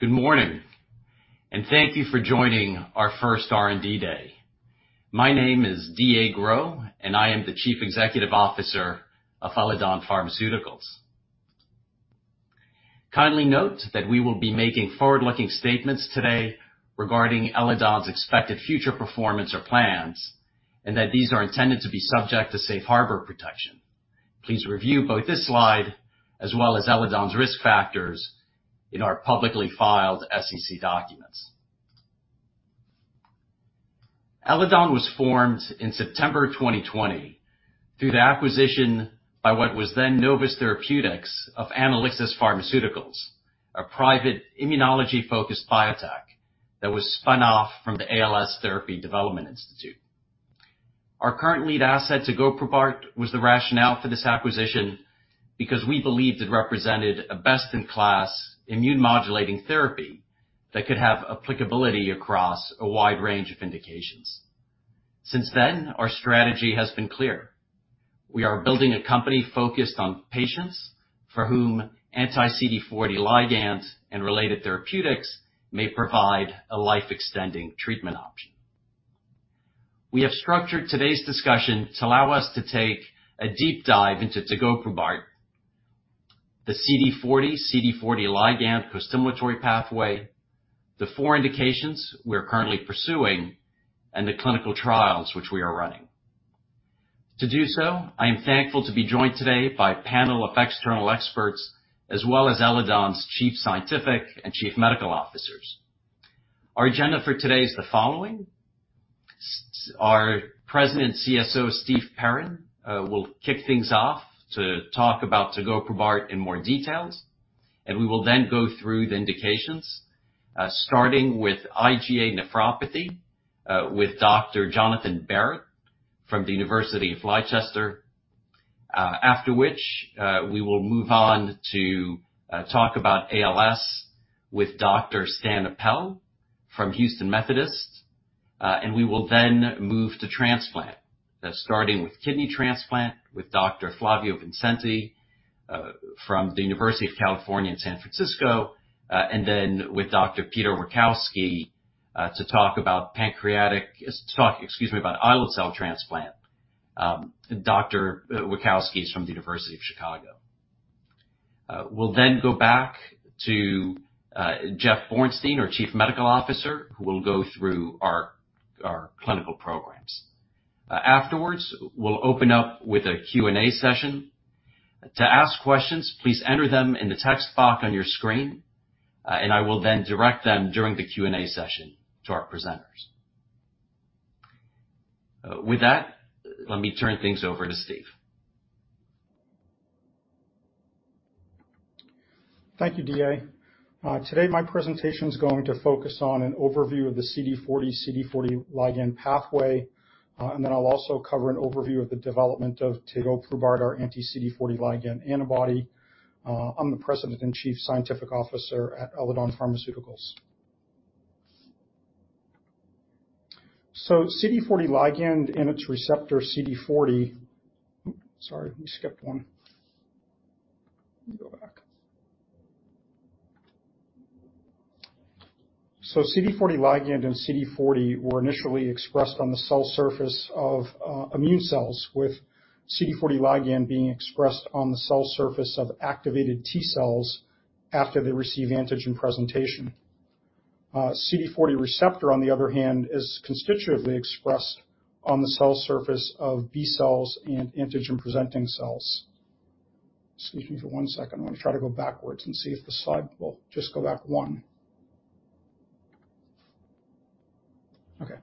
Good morning, and thank you for joining our first R&D day. My name is David-Alexandre Gros, and I am the Chief Executive Officer of Eledon Pharmaceuticals. Kindly note that we will be making forward-looking statements today regarding Eledon's expected future performance or plans, and that these are intended to be subject to Safe Harbor protection. Please review both this slide as well as Eledon's risk factors in our publicly filed SEC documents. Eledon was formed in September 2020 through the acquisition by what was then Novus Therapeutics of Anelixis Therapeutics, a private immunology-focused biotech that was spun off from the ALS Therapy Development Institute. Our current lead asset tegoprubart was the rationale for this acquisition because we believed it represented a best-in-class immune modulating therapy that could have applicability across a wide range of indications. Since then, our strategy has been clear. We are building a company focused on patients for whom anti-CD40 ligand and related therapeutics may provide a life-extending treatment option. We have structured today's discussion to allow us to take a deep dive into tegoprubart, the CD40 ligand costimulatory pathway, the four indications we are currently pursuing, and the clinical trials which we are running. To do so, I am thankful to be joined today by a panel of external experts as well as Eledon's Chief Scientific and Chief Medical Officers. Our agenda for today is the following. Our President CSO, Steven Perrin, will kick things off to talk about tegoprubart in more details, and we will then go through the indications, starting with IgA nephropathy, with Dr. Jonathan Barratt from the University of Leicester. After which, we will move on to talk about ALS with Dr. Stanley Appel from Houston Methodist. We will then move to transplant, starting with kidney transplant with Dr. Flavio Vincenti from the University of California, San Francisco, and then with Dr. Peter Witkowski to talk about pancreatic islet cell transplant. Dr. Witkowski is from the University of Chicago. We'll then go back to Jeffrey Bornstein, our Chief Medical Officer, who will go through our clinical programs. Afterwards, we'll open up with a Q&A session. To ask questions, please enter them in the text box on your screen, and I will then direct them during the Q&A session to our presenters. With that, let me turn things over to Steven. Thank you, David-Alexandre. Today, my presentation is going to focus on an overview of the CD40 ligand pathway, and then I'll also cover an overview of the development of tegoprubart, our anti-CD40 ligand antibody. I'm the President and Chief Scientific Officer at Eledon Pharmaceuticals. CD40 ligand and CD40 were initially expressed on the cell surface of immune cells, with CD40 ligand being expressed on the cell surface of activated T cells after they receive antigen presentation. CD40 receptor, on the other hand, is constitutively expressed on the cell surface of B cells and antigen-presenting cells. Excuse me for one second. I'm gonna try to go backwards and see if the slide will just go back one. Okay.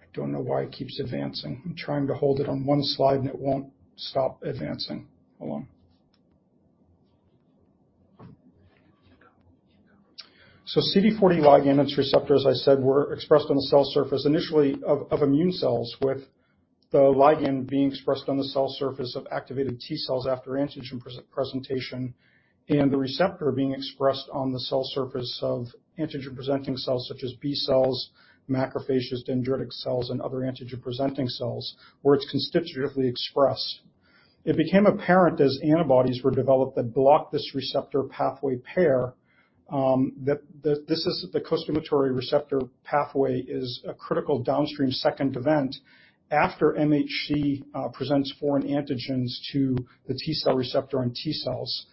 I don't know why it keeps advancing. I'm trying to hold it on one slide, and it won't stop advancing. Hold on. You go. CD40 ligand and its receptor, as I said, were expressed on the cell surface initially on immune cells, with the ligand being expressed on the cell surface of activated T cells after antigen presentation and the receptor being expressed on the cell surface of antigen-presenting cells such as B cells, macrophages, dendritic cells, and other antigen-presenting cells where it's constitutively expressed. It became apparent as antibodies were developed that block this receptor pathway pair, that the costimulatory receptor pathway is a critical downstream second event after MHC presents foreign antigens to the T cell receptor on T cells.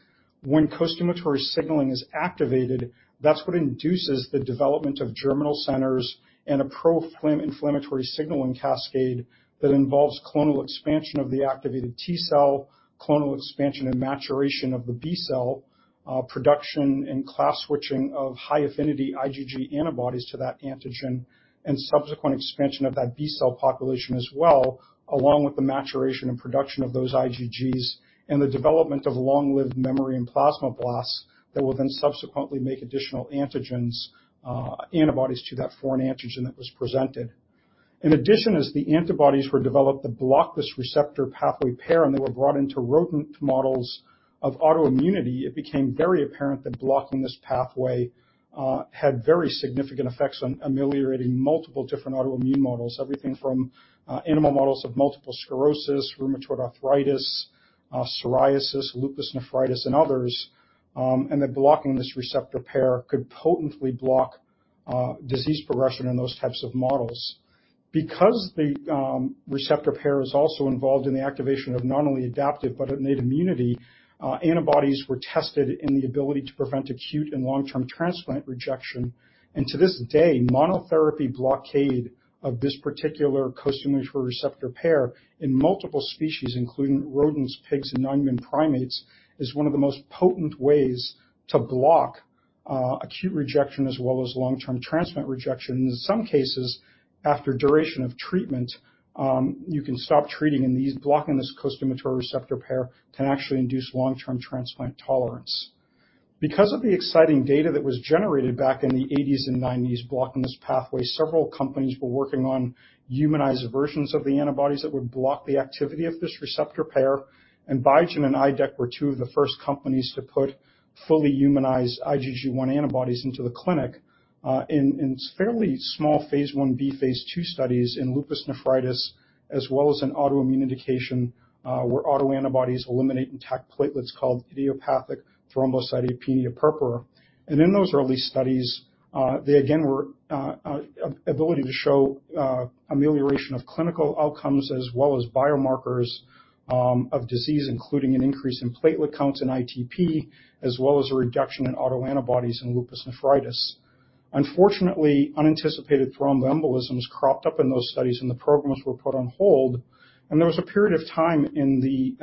When costimulatory signaling is activated, that's what induces the development of germinal centers and a pro-inflammatory signaling cascade that involves clonal expansion of the activated T cell, clonal expansion and maturation of the B cell, production and class switching of high-affinity IgG antibodies to that antigen, and subsequent expansion of that B cell population as well, along with the maturation and production of those IgGs and the development of long-lived memory and plasmablasts that will then subsequently make additional antibodies to that foreign antigen that was presented. In addition, as the antibodies were developed that block this receptor pathway pair and they were brought into rodent models of autoimmunity, it became very apparent that blocking this pathway had very significant effects on ameliorating multiple different autoimmune models, everything from animal models of multiple sclerosis, rheumatoid arthritis, psoriasis, lupus nephritis, and others, and that blocking this receptor pair could potently block disease progression in those types of models. Because the receptor pair is also involved in the activation of not only adaptive but innate immunity, antibodies were tested in the ability to prevent acute and long-term transplant rejection. To this day, monotherapy blockade of this particular costimulatory receptor pair in multiple species, including rodents, pigs, and non-human primates, is one of the most potent ways to block acute rejection as well as long-term transplant rejection. In some cases, after duration of treatment, you can stop treating, and by blocking this costimulatory receptor pair can actually induce long-term transplant tolerance. Because of the exciting data that was generated back in the 1980s and 1990s blocking this pathway, several companies were working on humanized versions of the antibodies that would block the activity of this receptor pair. Biogen and IDEC were two of the first companies to put fully humanized IgG1 antibodies into the clinic in fairly small phase I-B, phase II studies in lupus nephritis, as well as an autoimmune indication where autoantibodies eliminate intact platelets called idiopathic thrombocytopenic purpura. In those early studies, they again were able to show amelioration of clinical outcomes as well as biomarkers of disease, including an increase in platelet counts in ITP, as well as a reduction in autoantibodies in lupus nephritis. Unfortunately, unanticipated thromboembolisms cropped up in those studies, and the programs were put on hold. There was a period of time in the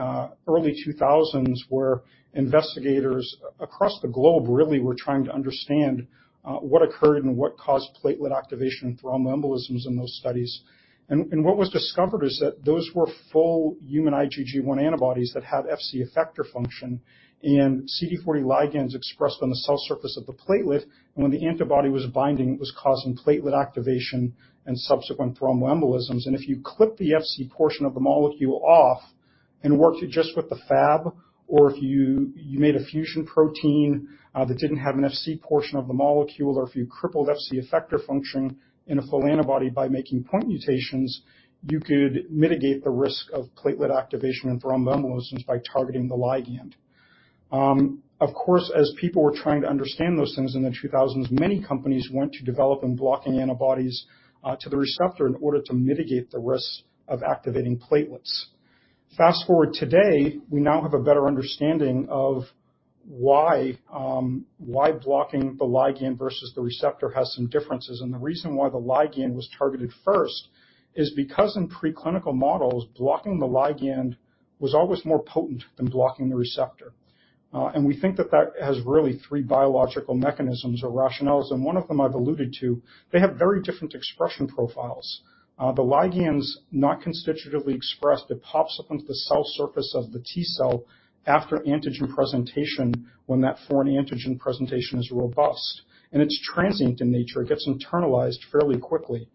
early 2000s where investigators across the globe really were trying to understand what occurred and what caused platelet activation and thromboembolisms in those studies. What was discovered is that those were full human IgG1 antibodies that had Fc effector function and CD40 ligands expressed on the cell surface of the platelet. When the antibody was binding, it was causing platelet activation and subsequent thromboembolisms. If you clip the Fc portion of the molecule off and worked it just with the Fab, or if you made a fusion protein that didn't have an Fc portion of the molecule, or if you crippled Fc effector function in a full antibody by making point mutations, you could mitigate the risk of platelet activation and thromboembolisms by targeting the ligand. Of course, as people were trying to understand those things in the 2000s, many companies went to develop blocking antibodies to the receptor in order to mitigate the risk of activating platelets. Fast-forward today, we now have a better understanding of why blocking the ligand versus the receptor has some differences. The reason why the ligand was targeted first is because in preclinical models, blocking the ligand was always more potent than blocking the receptor. We think that that has really three biological mechanisms or rationales, and one of them I've alluded to. They have very different expression profiles. The ligand's not constitutively expressed. It pops up into the cell surface of the T cell after antigen presentation when that foreign antigen presentation is robust, and it's transient in nature. It gets internalized fairly quickly.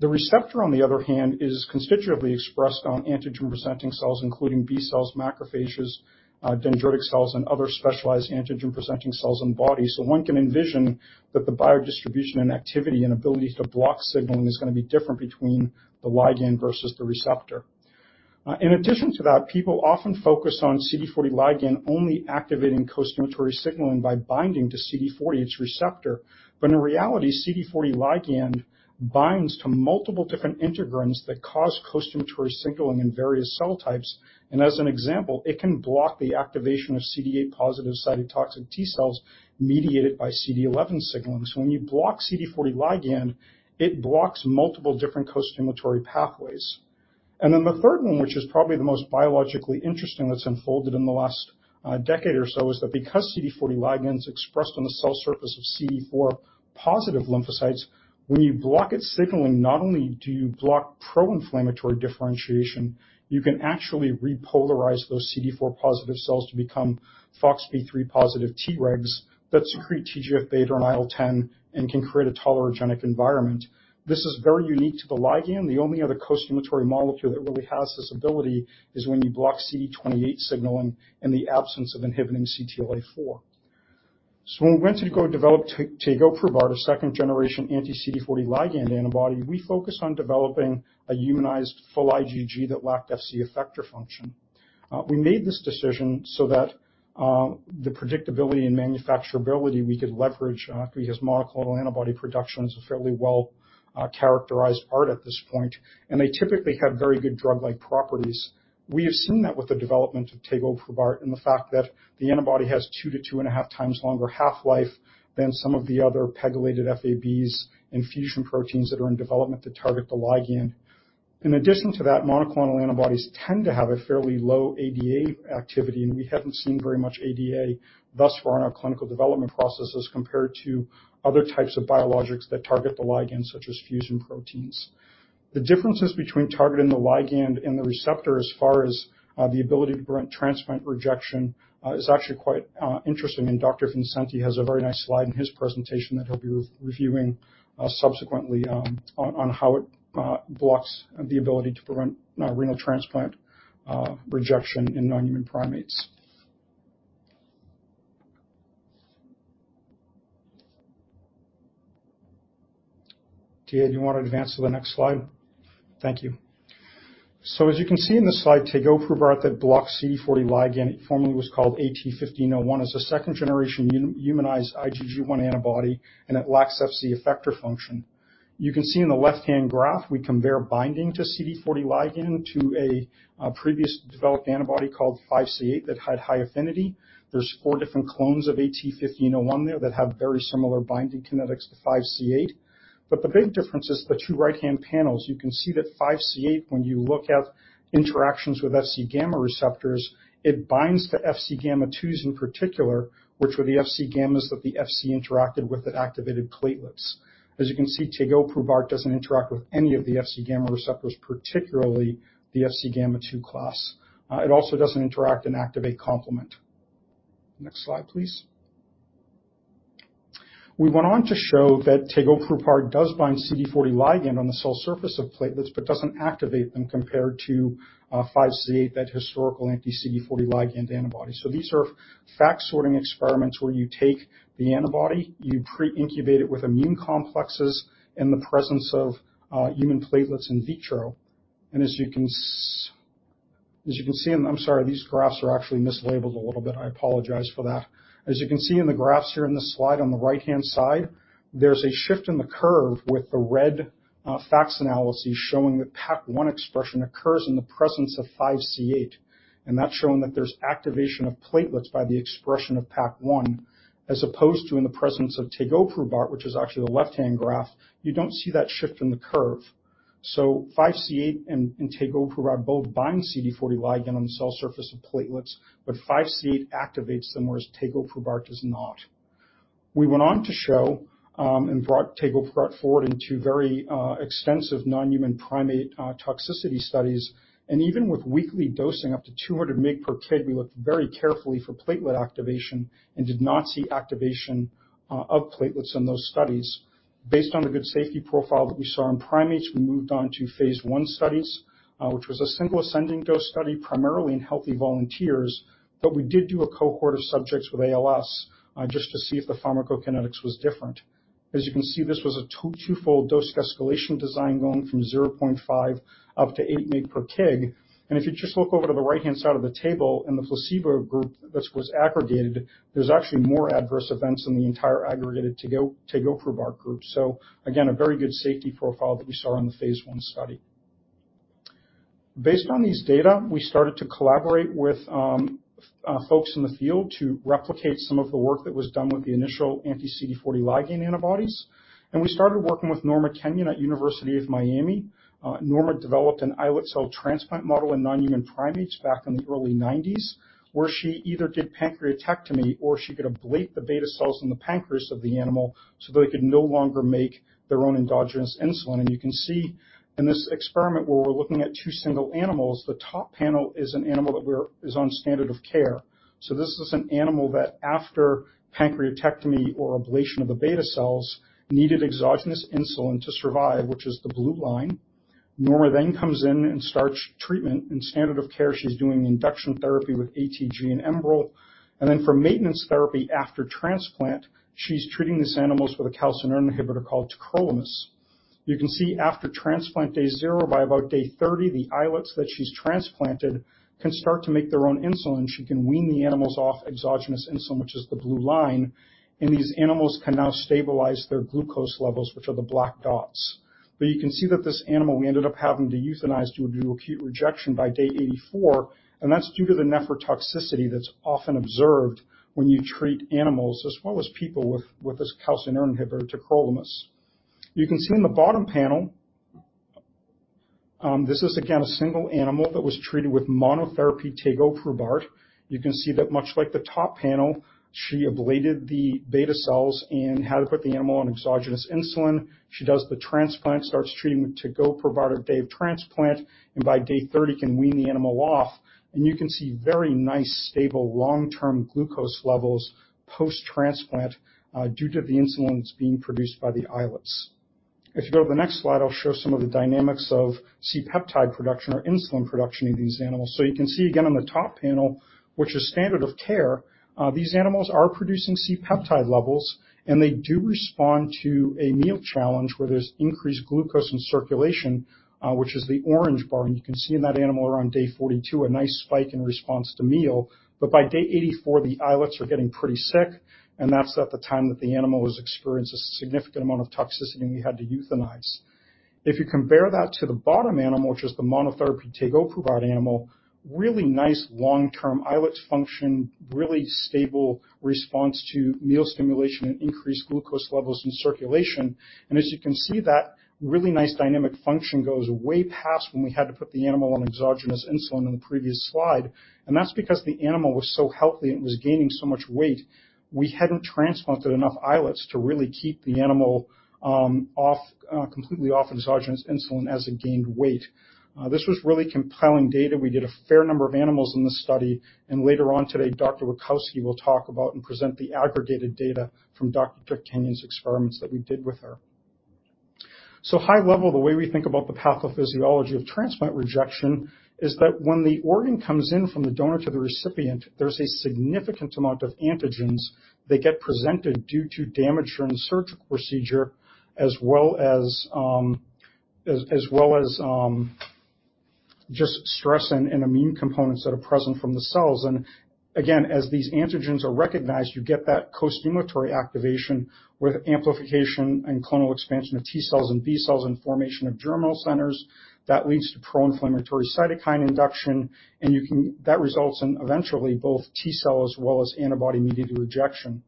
The receptor, on the other hand, is constitutively expressed on antigen-presenting cells, including B cells, macrophages, dendritic cells, and other specialized antigen-presenting cells in the body. One can envision that the biodistribution and activity and ability to block signaling is gonna be different between the ligand versus the receptor. In addition to that, people often focus on CD40 ligand only activating costimulatory signaling by binding to CD40, its receptor. In reality, CD40 ligand binds to multiple different integrins that cause costimulatory signaling in various cell types. As an example, it can block the activation of CD8-positive cytotoxic T cells mediated by CD11 signaling. When you block CD40 ligand, it blocks multiple different costimulatory pathways. The third one, which is probably the most biologically interesting that's unfolded in the last decade or so, is that because CD40 ligand is expressed on the cell surface of CD4-positive lymphocytes, when you block its signaling, not only do you block pro-inflammatory differentiation, you can actually repolarize those CD4-positive cells to become FOXP3-positive T-regs that secrete TGF-beta and IL-10 and can create a tolerogenic environment. This is very unique to the ligand. The only other costimulatory molecule that really has this ability is when you block CD28 signaling in the absence of inhibiting CTLA-4. When we went to go develop tegoprubart, a second-generation anti-CD40 ligand antibody, we focused on developing a humanized full IgG that lacked Fc effector function. We made this decision so that, the predictability and manufacturability we could leverage, because monoclonal antibody production is a fairly well characterized art at this point, and they typically have very good drug-like properties. We have seen that with the development of tegoprubart and the fact that the antibody has 2-2.5 times longer half-life than some of the other pegylated Fabs and fusion proteins that are in development that target the ligand. In addition to that, monoclonal antibodies tend to have a fairly low ADA activity, and we haven't seen very much ADA thus far in our clinical development processes compared to other types of biologics that target the ligand, such as fusion proteins. The differences between targeting the ligand and the receptor as far as, the ability to prevent transplant rejection, is actually quite, interesting. Dr. Vincenti has a very nice slide in his presentation that he'll be re-reviewing, subsequently, on how it blocks the ability to prevent, renal transplant, rejection in non-human primates. Tia, do you want to advance to the next slide? Thank you. As you can see in this slide, tegoprubart that blocks CD40 ligand, it formerly was called AT-1501. It's a second-generation humanized IgG1 antibody, and it lacks Fc effector function. You can see in the left-hand graph, we compare binding to CD40 ligand to a, previous developed antibody called 5C8 that had high affinity. There are 4 different clones of AT-1501 there that have very similar binding kinetics to 5C8. The big difference is the 2 right-hand panels. You can see that 5C8 when you look at interactions with Fcγ receptors, it binds to Fcγ twos in particular, which were the Fcγs that the Fc interacted with that activated platelets. As you can see, tegoprubart doesn't interact with any of the Fcγ receptors, particularly the Fcγ two class. It also doesn't interact and activate complement. Next slide, please. We went on to show that tegoprubart does bind CD40 ligand on the cell surface of platelets but doesn't activate them compared to 5C8, that historical anti-CD40 ligand antibody. These are FACS sorting experiments where you take the antibody, you pre-incubate it with immune complexes in the presence of human platelets in vitro. As you can see, and I'm sorry, these graphs are actually mislabeled a little bit. I apologize for that. As you can see in the graphs here in this slide on the right-hand side, there's a shift in the curve with the red FACS analysis showing that PAC-1 expression occurs in the presence of 5C8, and that's showing that there's activation of platelets by the expression of PAC-1 as opposed to in the presence of tegoprubart, which is actually the left-hand graph. You don't see that shift in the curve. 5C8 and tegoprubart both bind CD40 ligand on the cell surface of platelets, but 5C8 activates them, whereas tegoprubart does not. We went on to show and brought tegoprubart forward into very extensive non-human primate toxicity studies. Even with weekly dosing up to 200 mg per kg, we looked very carefully for platelet activation and did not see activation of platelets in those studies. Based on the good safety profile that we saw in primates, we moved on to phase I studies, which was a single ascending dose study primarily in healthy volunteers, but we did do a cohort of subjects with ALS just to see if the pharmacokinetics was different. As you can see, this was a twofold dose escalation design going from 0.5 up to 8 mg per kg. If you just look over to the right-hand side of the table in the placebo group that was aggregated, there's actually more adverse events in the entire aggregated tegoprubart group. Again, a very good safety profile that we saw in the phase I study. Based on these data, we started to collaborate with folks in the field to replicate some of the work that was done with the initial anti-CD40 ligand antibodies, and we started working with Norma Kenyon at University of Miami. Norma developed an islet cell transplant model in non-human primates back in the early nineties, where she either did pancreatectomy or she could ablate the beta cells in the pancreas of the animal so they could no longer make their own endogenous insulin. You can see in this experiment where we're looking at two single animals, the top panel is an animal that is on standard of care. This is an animal that after pancreatectomy or ablation of the beta cells, needed exogenous insulin to survive, which is the blue line. Norma then comes in and starts treatment. In standard of care, she's doing induction therapy with ATG and Enbrel. For maintenance therapy after transplant, she's treating these animals with a calcineurin inhibitor called tacrolimus. You can see after transplant day 0, by about day 30, the islets that she's transplanted can start to make their own insulin. She can wean the animals off exogenous insulin, which is the blue line. These animals can now stabilize their glucose levels, which are the black dots. You can see that this animal, we ended up having to euthanize due to acute rejection by day 84, and that's due to the nephrotoxicity that's often observed when you treat animals as well as people with this calcineurin inhibitor, tacrolimus. You can see in the bottom panel, this is again a single animal that was treated with monotherapy tegoprubart. You can see that much like the top panel, she ablated the beta cells and had to put the animal on exogenous insulin. She does the transplant, starts treatment with tegoprubart at day of transplant, and by day 30 can wean the animal off. You can see very nice, stable long-term glucose levels post-transplant, due to the insulin that's being produced by the islets. If you go to the next slide, I'll show some of the dynamics of C-peptide production or insulin production in these animals. You can see again on the top panel, which is standard of care, these animals are producing C-peptide levels, and they do respond to a meal challenge where there's increased glucose in circulation, which is the orange bar. You can see in that animal around day 42 a nice spike in response to meal. By day 84, the islets are getting pretty sick, and that's at the time that the animal has experienced a significant amount of toxicity and we had to euthanize. If you compare that to the bottom animal, which is the monotherapy tegoprubart animal, really nice long-term islet function, really stable response to meal stimulation and increased glucose levels in circulation. As you can see, that really nice dynamic function goes way past when we had to put the animal on exogenous insulin in the previous slide. That's because the animal was so healthy and was gaining so much weight. We hadn't transplanted enough islets to really keep the animal completely off exogenous insulin as it gained weight. This was really compelling data. We did a fair number of animals in this study, and later on today, Dr. Witkowski will talk about and present the aggregated data from Dr. Kenyon's experiments that we did with her. High level, the way we think about the pathophysiology of transplant rejection is that when the organ comes in from the donor to the recipient, there's a significant amount of antigens that get presented due to damage during the surgical procedure as well as just stress and immune components that are present from the cells. Again, as these antigens are recognized, you get that costimulatory activation with amplification and clonal expansion of T cells and B cells and formation of germinal centers. That leads to pro-inflammatory cytokine induction, that results in eventually both T cell as well as antibody-mediated rejection.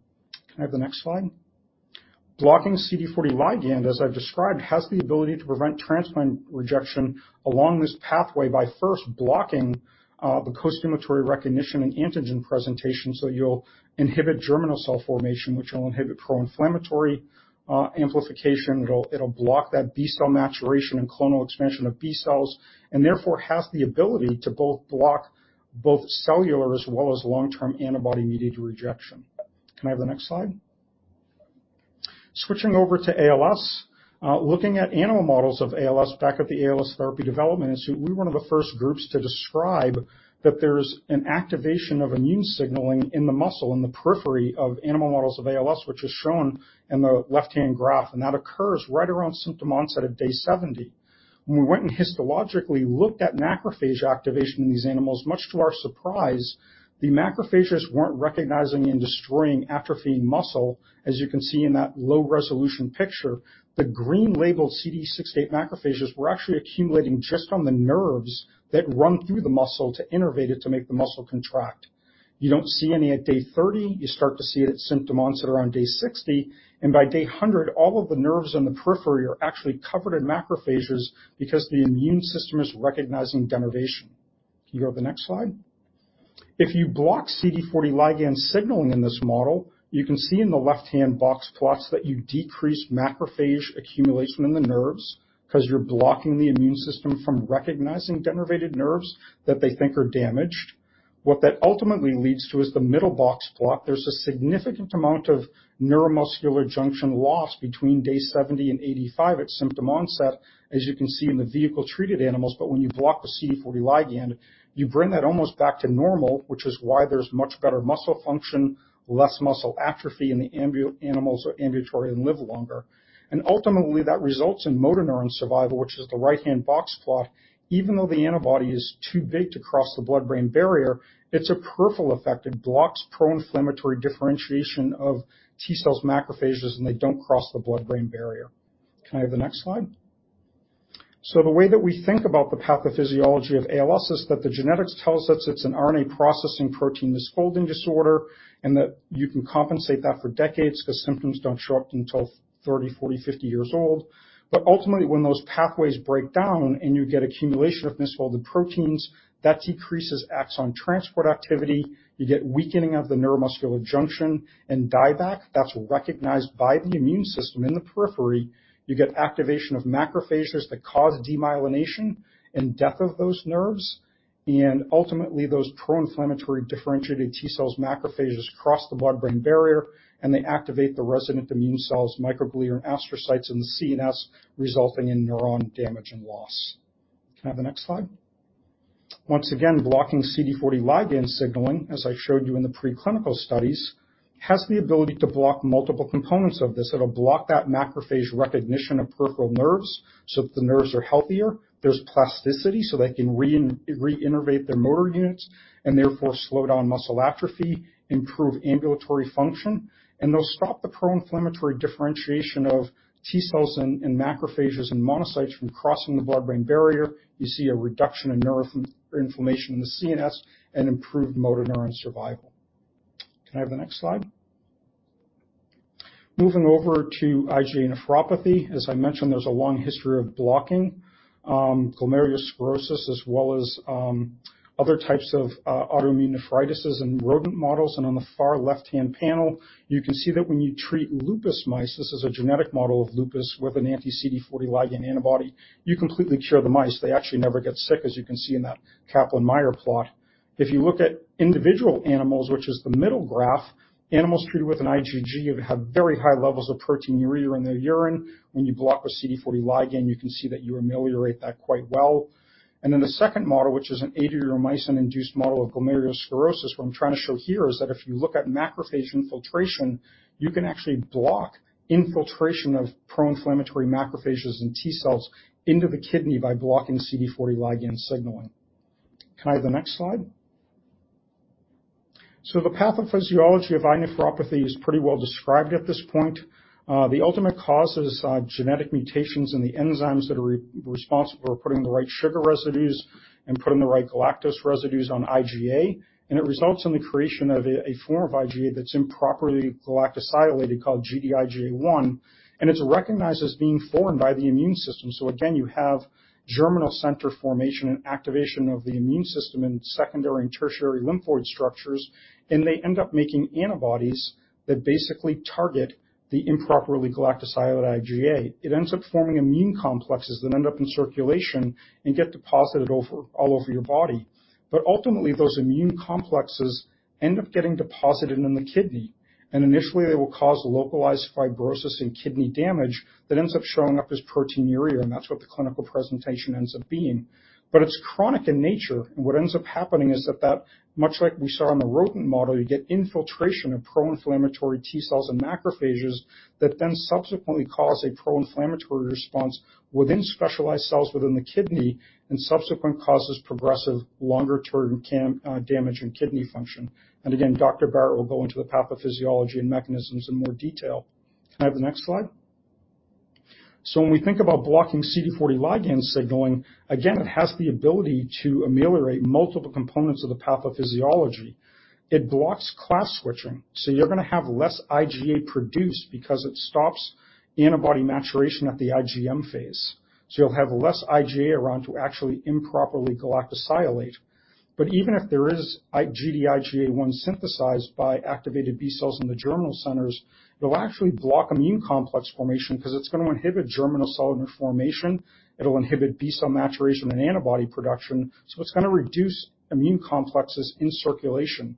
Can I have the next slide? Blocking CD40 ligand, as I've described, has the ability to prevent transplant rejection along this pathway by first blocking the costimulatory recognition and antigen presentation, so you'll inhibit germinal cell formation, which will inhibit pro-inflammatory amplification. It'll block that B-cell maturation and clonal expansion of B cells, and therefore has the ability to block both cellular as well as long-term antibody-mediated rejection. Can I have the next slide? Switching over to ALS. Looking at animal models of ALS back at the ALS Therapy Development Institute, we're one of the first groups to describe that there's an activation of immune signaling in the muscle, in the periphery of animal models of ALS, which is shown in the left-hand graph. That occurs right around symptom onset at day 70. When we went and histologically looked at macrophage activation in these animals, much to our surprise, the macrophages weren't recognizing and destroying atrophying muscle, as you can see in that low-resolution picture. The green labeled CD68 macrophages were actually accumulating just on the nerves that run through the muscle to innervate it to make the muscle contract. You don't see any at day 30, you start to see it at symptom onset around day 60, and by day 100, all of the nerves in the periphery are actually covered in macrophages because the immune system is recognizing denervation. Can you go to the next slide? If you block CD40 ligand signaling in this model, you can see in the left-hand box plots that you decrease macrophage accumulation in the nerves because you're blocking the immune system from recognizing denervated nerves that they think are damaged. What that ultimately leads to is the middle box plot. There's a significant amount of neuromuscular junction loss between day 70 and 85 at symptom onset, as you can see in the vehicle-treated animals. When you block the CD40 ligand, you bring that almost back to normal, which is why there's much better muscle function, less muscle atrophy, and the animals are ambulatory and live longer. Ultimately, that results in motor neuron survival, which is the right-hand box plot. Even though the antibody is too big to cross the blood-brain barrier, it's a peripheral effect. It blocks pro-inflammatory differentiation of T cells, macrophages, and they don't cross the blood-brain barrier. Can I have the next slide? The way that we think about the pathophysiology of ALS is that the genetics tells us it's an RNA processing protein misfolding disorder, and that you can compensate that for decades because symptoms don't show up until 30, 40, 50 years old. Ultimately, when those pathways break down and you get accumulation of misfolded proteins, that decreases axon transport activity, you get weakening of the neuromuscular junction and die back. That's recognized by the immune system in the periphery. You get activation of macrophages that cause demyelination and death of those nerves. Ultimately, those pro-inflammatory differentiated T cells, macrophages cross the blood-brain barrier, and they activate the resident immune cells, microglia, and astrocytes in the CNS, resulting in neuron damage and loss. Can I have the next slide? Once again, blocking CD40 ligand signaling, as I showed you in the preclinical studies, has the ability to block multiple components of this. It'll block that macrophage recognition of peripheral nerves so that the nerves are healthier. There's plasticity, so they can reinnervate their motor units and therefore slow down muscle atrophy, improve ambulatory function, and they'll stop the pro-inflammatory differentiation of T cells and macrophages and monocytes from crossing the blood-brain barrier. You see a reduction in neuroinflammation in the CNS and improved motor neuron survival. Can I have the next slide? Moving over to IgA nephropathy. As I mentioned, there's a long history of blocking glomerulosclerosis as well as other types of autoimmune nephritis in rodent models. On the far left-hand panel, you can see that when you treat lupus mice, this is a genetic model of lupus with an anti-CD40 ligand antibody, you completely cure the mice. They actually never get sick, as you can see in that Kaplan-Meier plot. If you look at individual animals, which is the middle graph, animals treated with an IgG have very high levels of proteinuria in their urine. When you block a CD40 ligand, you can see that you ameliorate that quite well. In the second model, which is an Adriamycin-induced model of glomerulosclerosis, what I'm trying to show here is that if you look at macrophage infiltration, you can actually block infiltration of pro-inflammatory macrophages and T cells into the kidney by blocking CD40 ligand signaling. Can I have the next slide? The pathophysiology of IgA nephropathy is pretty well described at this point. The ultimate cause is genetic mutations in the enzymes that are responsible for putting the right sugar residues and putting the right galactose residues on IgA, and it results in the creation of a form of IgA that's improperly galactosylated called Gd-IgA1, and it's recognized as being foreign by the immune system. Again, you have germinal center formation and activation of the immune system in secondary and tertiary lymphoid structures, and they end up making antibodies that basically target the improperly galactosylated IgA. It ends up forming immune complexes that end up in circulation and get deposited all over your body. Ultimately, those immune complexes end up getting deposited in the kidney, and initially, they will cause localized fibrosis and kidney damage that ends up showing up as proteinuria, and that's what the clinical presentation ends up being. It's chronic in nature, and what ends up happening is that that much like we saw in the rodent model, you get infiltration of pro-inflammatory T cells and macrophages that then subsequently cause a pro-inflammatory response within specialized cells within the kidney and subsequent causes progressive longer-term damage in kidney function. And again, Dr. Barratt will go into the pathophysiology and mechanisms in more detail. Can I have the next slide? When we think about blocking CD40 ligand signaling, again, it has the ability to ameliorate multiple components of the pathophysiology. It blocks class switching. You're gonna have less IgA produced because it stops antibody maturation at the IgM phase. You'll have less IgA around to actually improperly galactosylate. Even if there is Gd-IgA1 synthesized by activated B cells in the germinal centers, it'll actually block immune complex formation because it's gonna inhibit germinal center formation, it'll inhibit B cell maturation and antibody production, so it's gonna reduce immune complexes in circulation.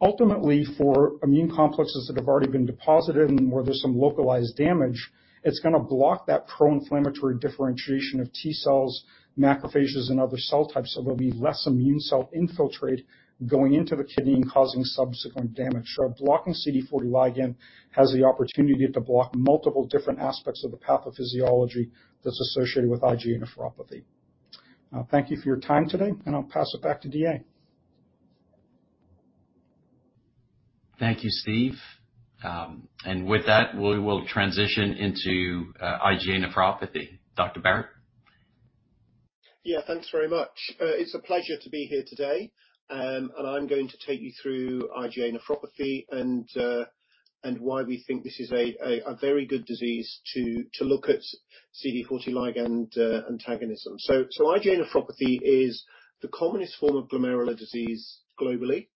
Ultimately, for immune complexes that have already been deposited and where there's some localized damage, it's gonna block that pro-inflammatory differentiation of T cells, macrophages, and other cell types, so there'll be less immune cell infiltrate going into the kidney and causing subsequent damage. Blocking CD40 ligand has the opportunity to block multiple different aspects of the pathophysiology that's associated with IgA nephropathy. Thank you for your time today, and I'll pass it back to David-Alexandre. Thank you, Steven. With that, we will transition into IgA nephropathy. Dr. Jonathan Barratt. Yeah. Thanks very much. It's a pleasure to be here today. I'm going to take you through IgA nephropathy and why we think this is a very good disease to look at CD40 ligand antagonism. IgA nephropathy is the commonest form of glomerular disease globally.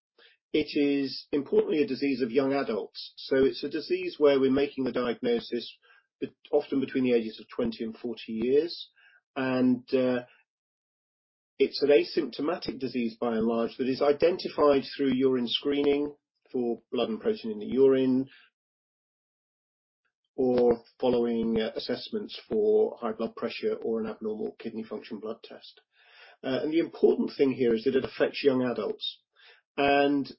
It is importantly a disease of young adults, so it's a disease where we're making the diagnosis often between the ages of 20 and 40 years. It's an asymptomatic disease by and large, that is identified through urine screening for blood and protein in the urine or following assessments for high blood pressure or an abnormal kidney function blood test. The important thing here is that it affects young adults. IgA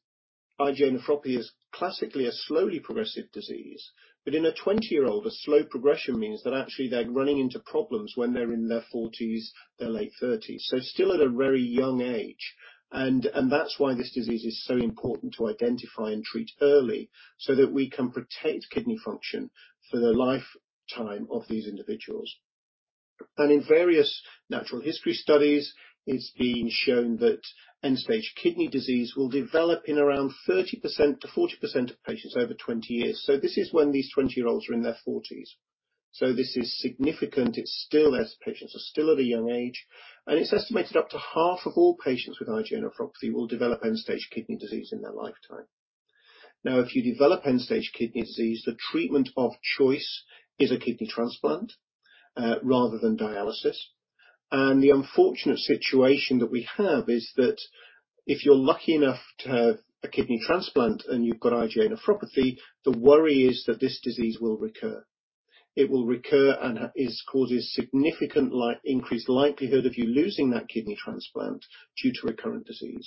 nephropathy is classically a slowly progressive disease. In a 20-year-old, a slow progression means that actually they're running into problems when they're in their 40s, their late 30s. Still at a very young age. That's why this disease is so important to identify and treat early so that we can protect kidney function for the lifetime of these individuals. In various natural history studies, it's been shown that end-stage kidney disease will develop in around 30%-40% of patients over 20 years. This is when these 20-year-olds are in their 40s. This is significant. It's still as patients are still at a young age, and it's estimated up to half of all patients with IgA nephropathy will develop end-stage kidney disease in their lifetime. Now, if you develop end-stage kidney disease, the treatment of choice is a kidney transplant, rather than dialysis. The unfortunate situation that we have is that if you're lucky enough to have a kidney transplant and you've got IgA nephropathy, the worry is that this disease will recur. It will recur and it causes significant increased likelihood of you losing that kidney transplant due to recurrent disease.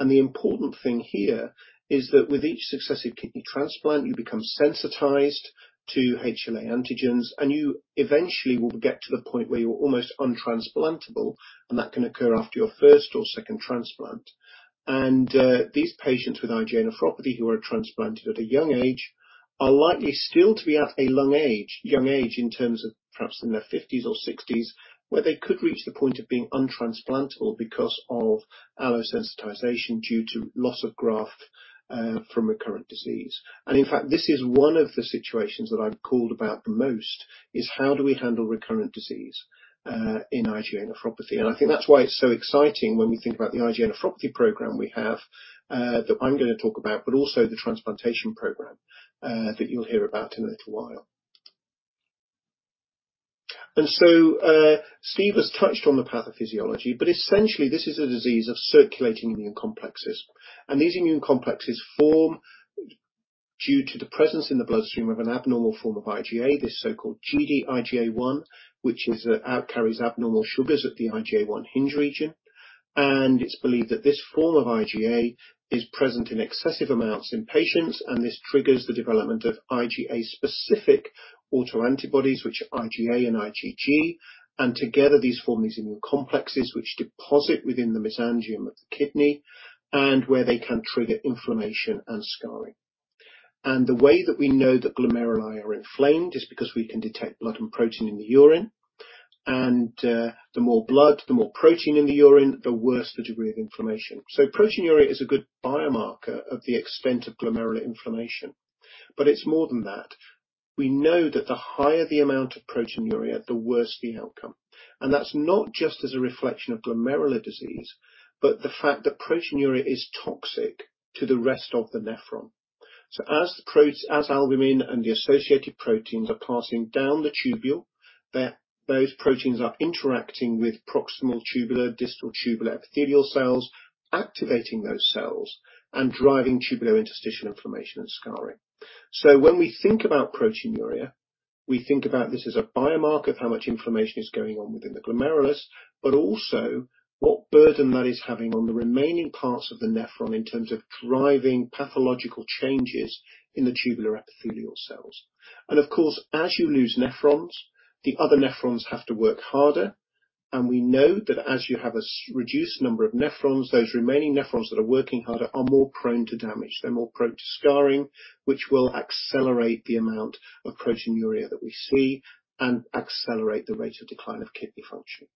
The important thing here is that with each successive kidney transplant, you become sensitized to HLA antigens, and you eventually will get to the point where you're almost untransplantable, and that can occur after your first or second transplant. These patients with IgA nephropathy who are transplanted at a young age are likely still to be at a young age in terms of perhaps in their fifties or sixties, where they could reach the point of being untransplantable because of allosensitization due to loss of graft from recurrent disease. In fact, this is one of the situations that I'm called about the most, is how do we handle recurrent disease in IgA nephropathy. I think that's why it's so exciting when we think about the IgA nephropathy program we have that I'm gonna talk about, but also the transplantation program that you'll hear about in a little while. Steven has touched on the pathophysiology, but essentially this is a disease of circulating immune complexes. These immune complexes form due to the presence in the bloodstream of an abnormal form of IgA, this so-called Gd-IgA1, which carries abnormal sugars at the IgA1 hinge region. It's believed that this form of IgA is present in excessive amounts in patients, and this triggers the development of IgA-specific autoantibodies, which are IgA and IgG. Together these form these immune complexes which deposit within the mesangium of the kidney and where they can trigger inflammation and scarring. The way that we know that glomeruli are inflamed is because we can detect blood and protein in the urine. The more blood, the more protein in the urine, the worse the degree of inflammation. Proteinuria is a good biomarker of the extent of glomerular inflammation. It's more than that. We know that the higher the amount of proteinuria, the worse the outcome. That's not just as a reflection of glomerular disease, but the fact that proteinuria is toxic to the rest of the nephron. As albumin and the associated proteins are passing down the tubule, those proteins are interacting with proximal tubule, distal tubule epithelial cells, activating those cells and driving tubulointerstitial inflammation and scarring. When we think about proteinuria, we think about this as a biomarker of how much inflammation is going on within the glomerulus, but also what burden that is having on the remaining parts of the nephron in terms of driving pathological changes in the tubular epithelial cells. Of course, as you lose nephrons, the other nephrons have to work harder. We know that as you have a reduced number of nephrons, those remaining nephrons that are working harder are more prone to damage. They're more prone to scarring, which will accelerate the amount of proteinuria that we see and accelerate the rate of decline of kidney function.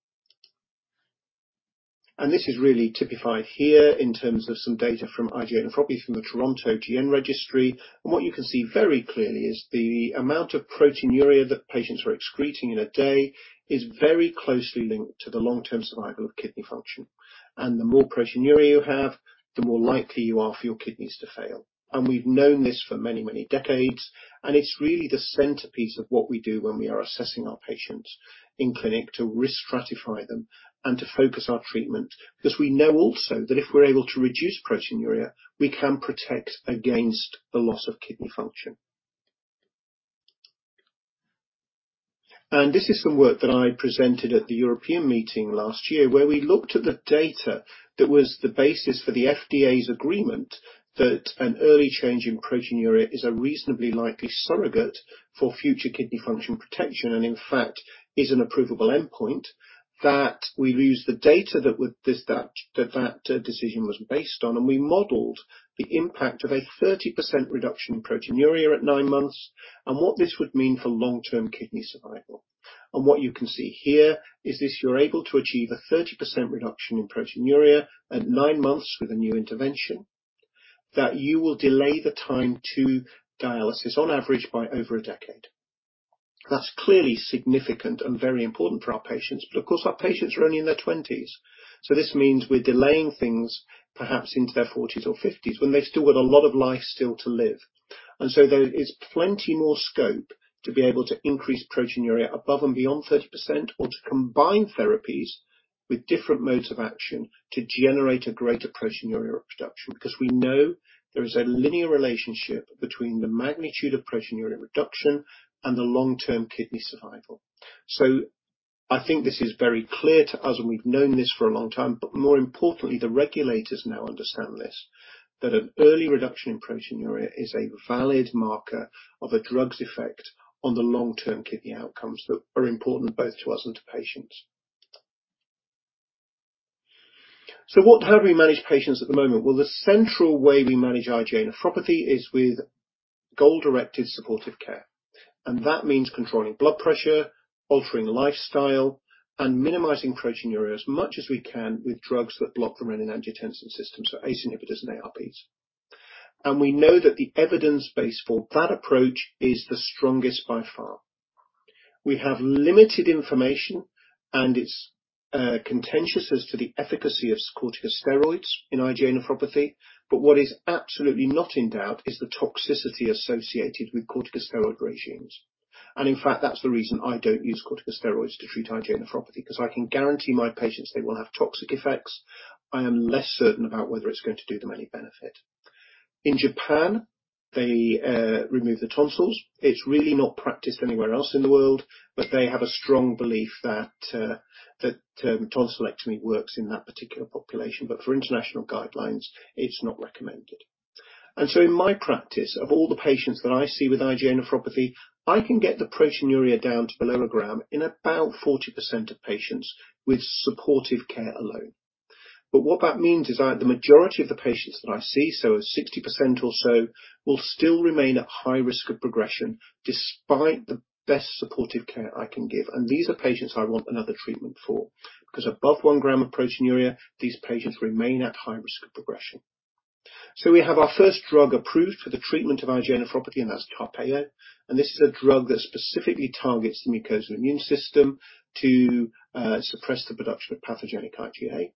This is really typified here in terms of some data from IgA nephropathy from the Toronto Glomerulonephritis Registry. What you can see very clearly is the amount of proteinuria that patients are excreting in a day is very closely linked to the long-term survival of kidney function. The more proteinuria you have, the more likely you are for your kidneys to fail. We've known this for many, many decades, and it's really the centerpiece of what we do when we are assessing our patients in clinic to risk stratify them and to focus our treatment, because we know also that if we're able to reduce proteinuria, we can protect against the loss of kidney function. This is some work that I presented at the ERA-EDTA Congress last year, where we looked at the data that was the basis for the FDA's agreement that an early change in proteinuria is a reasonably likely surrogate for future kidney function protection, and in fact, is an approvable endpoint. That we've used the data that decision was based on, and we modeled the impact of a 30% reduction in proteinuria at 9 months and what this would mean for long-term kidney survival. What you can see here is this, you're able to achieve a 30% reduction in proteinuria at 9 months with a new intervention, that you will delay the time to dialysis on average by over a decade. That's clearly significant and very important for our patients. Of course, our patients are only in their twenties. This means we're delaying things perhaps into their forties or fifties when they still got a lot of life still to live. There is plenty more scope to be able to increase proteinuria above and beyond 30% or to combine therapies with different modes of action to generate a greater proteinuria reduction. We know there is a linear relationship between the magnitude of proteinuria reduction and the long-term kidney survival. I think this is very clear to us, and we've known this for a long time, but more importantly, the regulators now understand this, that an early reduction in proteinuria is a valid marker of a drug's effect on the long-term kidney outcomes that are important both to us and to patients. How do we manage patients at the moment? Well, the central way we manage IgA nephropathy is with goal-directed supportive care. That means controlling blood pressure, altering lifestyle, and minimizing proteinuria as much as we can with drugs that block the renin-angiotensin system, so ACE inhibitors and ARBs. We know that the evidence base for that approach is the strongest by far. We have limited information, and it's contentious as to the efficacy of corticosteroids in IgA nephropathy. What is absolutely not in doubt is the toxicity associated with corticosteroid regimens. In fact, that's the reason I don't use corticosteroids to treat IgA nephropathy, because I can guarantee my patients they will have toxic effects. I am less certain about whether it's going to do them any benefit. In Japan, they remove the tonsils. It's really not practiced anywhere else in the world, but they have a strong belief that tonsillectomy works in that particular population. For international guidelines, it's not recommended. In my practice, of all the patients that I see with IgA nephropathy, I can get the proteinuria down to below a gram in about 40% of patients with supportive care alone. What that means is that the majority of the patients that I see, so 60% or so, will still remain at high risk of progression despite the best supportive care I can give. These are patients I want another treatment for because above one gram of proteinuria, these patients remain at high risk of progression. We have our first drug approved for the treatment of IgA nephropathy, and that's Tarpeyo, and this is a drug that specifically targets the mucosal immune system to suppress the production of pathogenic IgA.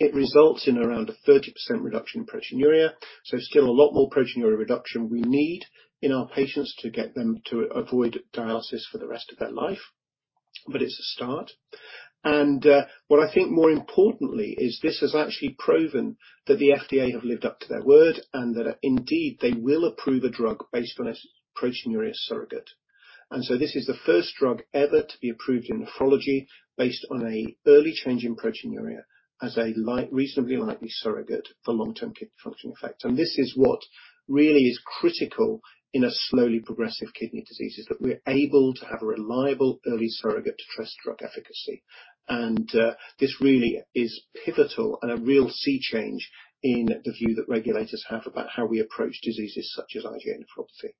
It results in around a 30% reduction in proteinuria, so still a lot more proteinuria reduction we need in our patients to get them to avoid dialysis for the rest of their life, but it's a start. What I think more importantly is this has actually proven that the FDA have lived up to their word and that, indeed, they will approve a drug based on a proteinuria surrogate. This is the first drug ever to be approved in nephrology based on an early change in proteinuria as a reasonably likely surrogate for long-term kidney functioning effect. This is what really is critical in a slowly progressive kidney disease, is that we're able to have a reliable early surrogate to trust drug efficacy. This really is pivotal and a real sea change in the view that regulators have about how we approach diseases such as IgA nephropathy.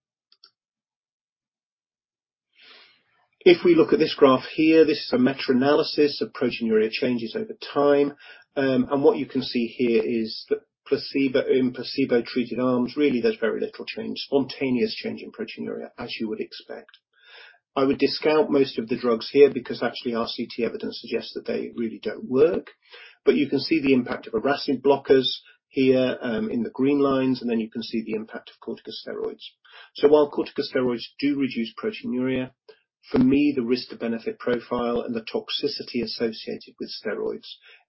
If we look at this graph here, this is a meta-analysis of proteinuria changes over time. What you can see here is that in placebo-treated arms, really there's very little change, spontaneous change in proteinuria, as you would expect. I would discount most of the drugs here because actually, our CT evidence suggests that they really don't work. You can see the impact of a renin blockers here, in the green lines, and then you can see the impact of corticosteroids. While corticosteroids do reduce proteinuria, for me, the risk-to-benefit profile and the toxicity associated with steroids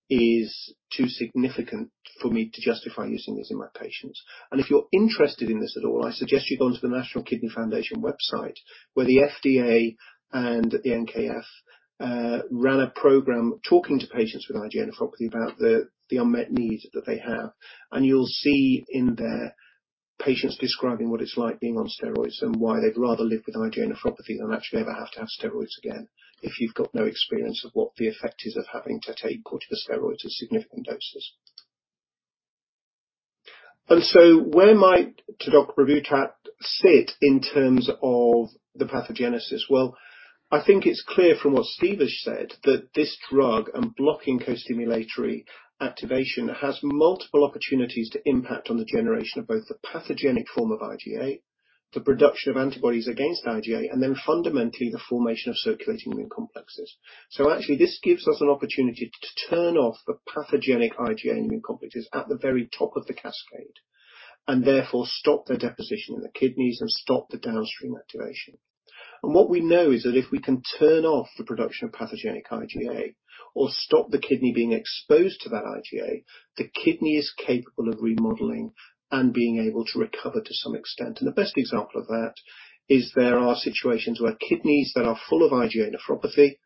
is too significant for me to justify using these in my patients. If you're interested in this at all, I suggest you go onto the National Kidney Foundation website, where the FDA and the NKF ran a program talking to patients with IgA nephropathy about the unmet needs that they have. You'll see in there, patients describing what it's like being on steroids and why they'd rather live with IgA nephropathy than actually ever have to have steroids again if you've got no experience of what the effect is of having to take corticosteroids in significant doses. Where might tegoprubart sit in terms of the pathogenesis? Well, I think it's clear from what Steven has said that this drug and blocking co-stimulatory activation has multiple opportunities to impact on the generation of both the pathogenic form of IgA, the production of antibodies against IgA, and then fundamentally the formation of circulating immune complexes. Actually this gives us an opportunity to turn off the pathogenic IgA immune complexes at the very top of the cascade and therefore stop their deposition in the kidneys and stop the downstream activation. What we know is that if we can turn off the production of pathogenic IgA or stop the kidney being exposed to that IgA, the kidney is capable of remodeling and being able to recover to some extent. The best example of that is there are situations where kidneys that are full of IgA nephropathy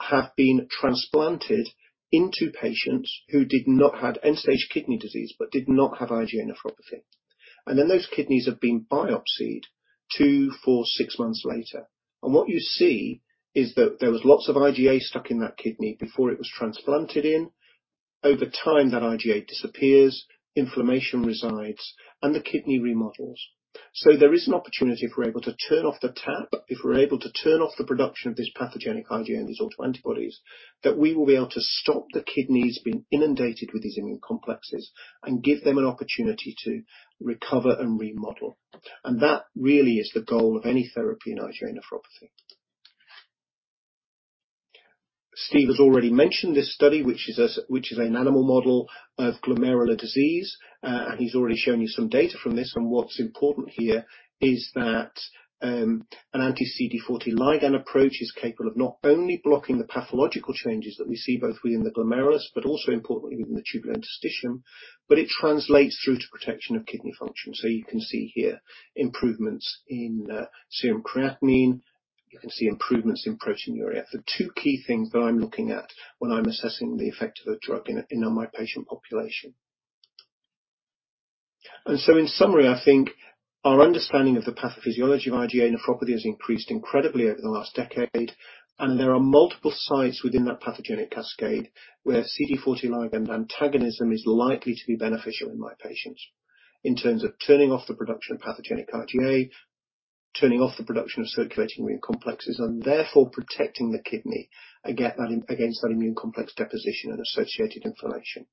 have been transplanted into patients who did not have end-stage kidney disease but did not have IgA nephropathy. Then those kidneys have been biopsied 2, 4, 6 months later. What you see is that there was lots of IgA stuck in that kidney before it was transplanted in. Over time, that IgA disappears, inflammation resides, and the kidney remodels. There is an opportunity if we're able to turn off the tap, if we're able to turn off the production of this pathogenic IgA, these autoantibodies, that we will be able to stop the kidneys being inundated with these immune complexes and give them an opportunity to recover and remodel. That really is the goal of any therapy in IgA nephropathy. Steven has already mentioned this study, which is an animal model of glomerular disease. He's already shown you some data from this. What's important here is that an anti-CD40 ligand approach is capable of not only blocking the pathological changes that we see both within the glomerulus but also importantly within the tubulointerstitium, but it translates through to protection of kidney function. You can see here improvements in serum creatinine. You can see improvements in proteinuria. The two key things that I'm looking at when I'm assessing the effect of a drug in my patient population. In summary, I think our understanding of the pathophysiology of IgA nephropathy has increased incredibly over the last decade, and there are multiple sites within that pathogenic cascade where CD40 ligand antagonism is likely to be beneficial in my patients in terms of turning off the production of pathogenic IgA, turning off the production of circulating immune complexes, and therefore protecting the kidney against that immune complex deposition and associated inflammation.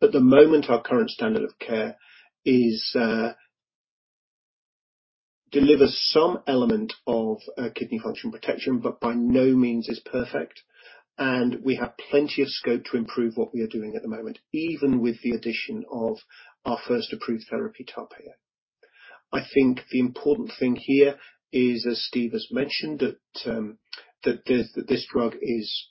At the moment, our current standard of care is, delivers some element of, kidney function protection, but by no means is perfect. We have plenty of scope to improve what we are doing at the moment, even with the addition of our first approved therapy, Tarpeyo. I think the important thing here is, as Steven has mentioned, that this drug is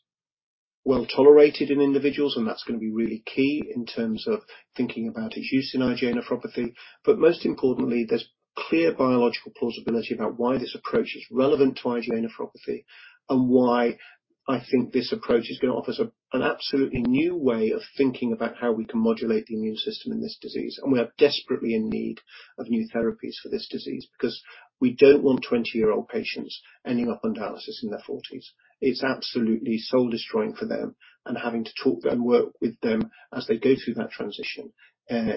well-tolerated in individuals, and that's gonna be really key in terms of thinking about its use in IgA nephropathy. Most importantly, there's clear biological plausibility about why this approach is relevant to IgA nephropathy and why I think this approach is gonna offer us an absolutely new way of thinking about how we can modulate the immune system in this disease. We are desperately in need of new therapies for this disease because we don't want 20-year-old patients ending up on dialysis in their forties. It's absolutely soul-destroying for them, and having to talk and work with them as they go through that transition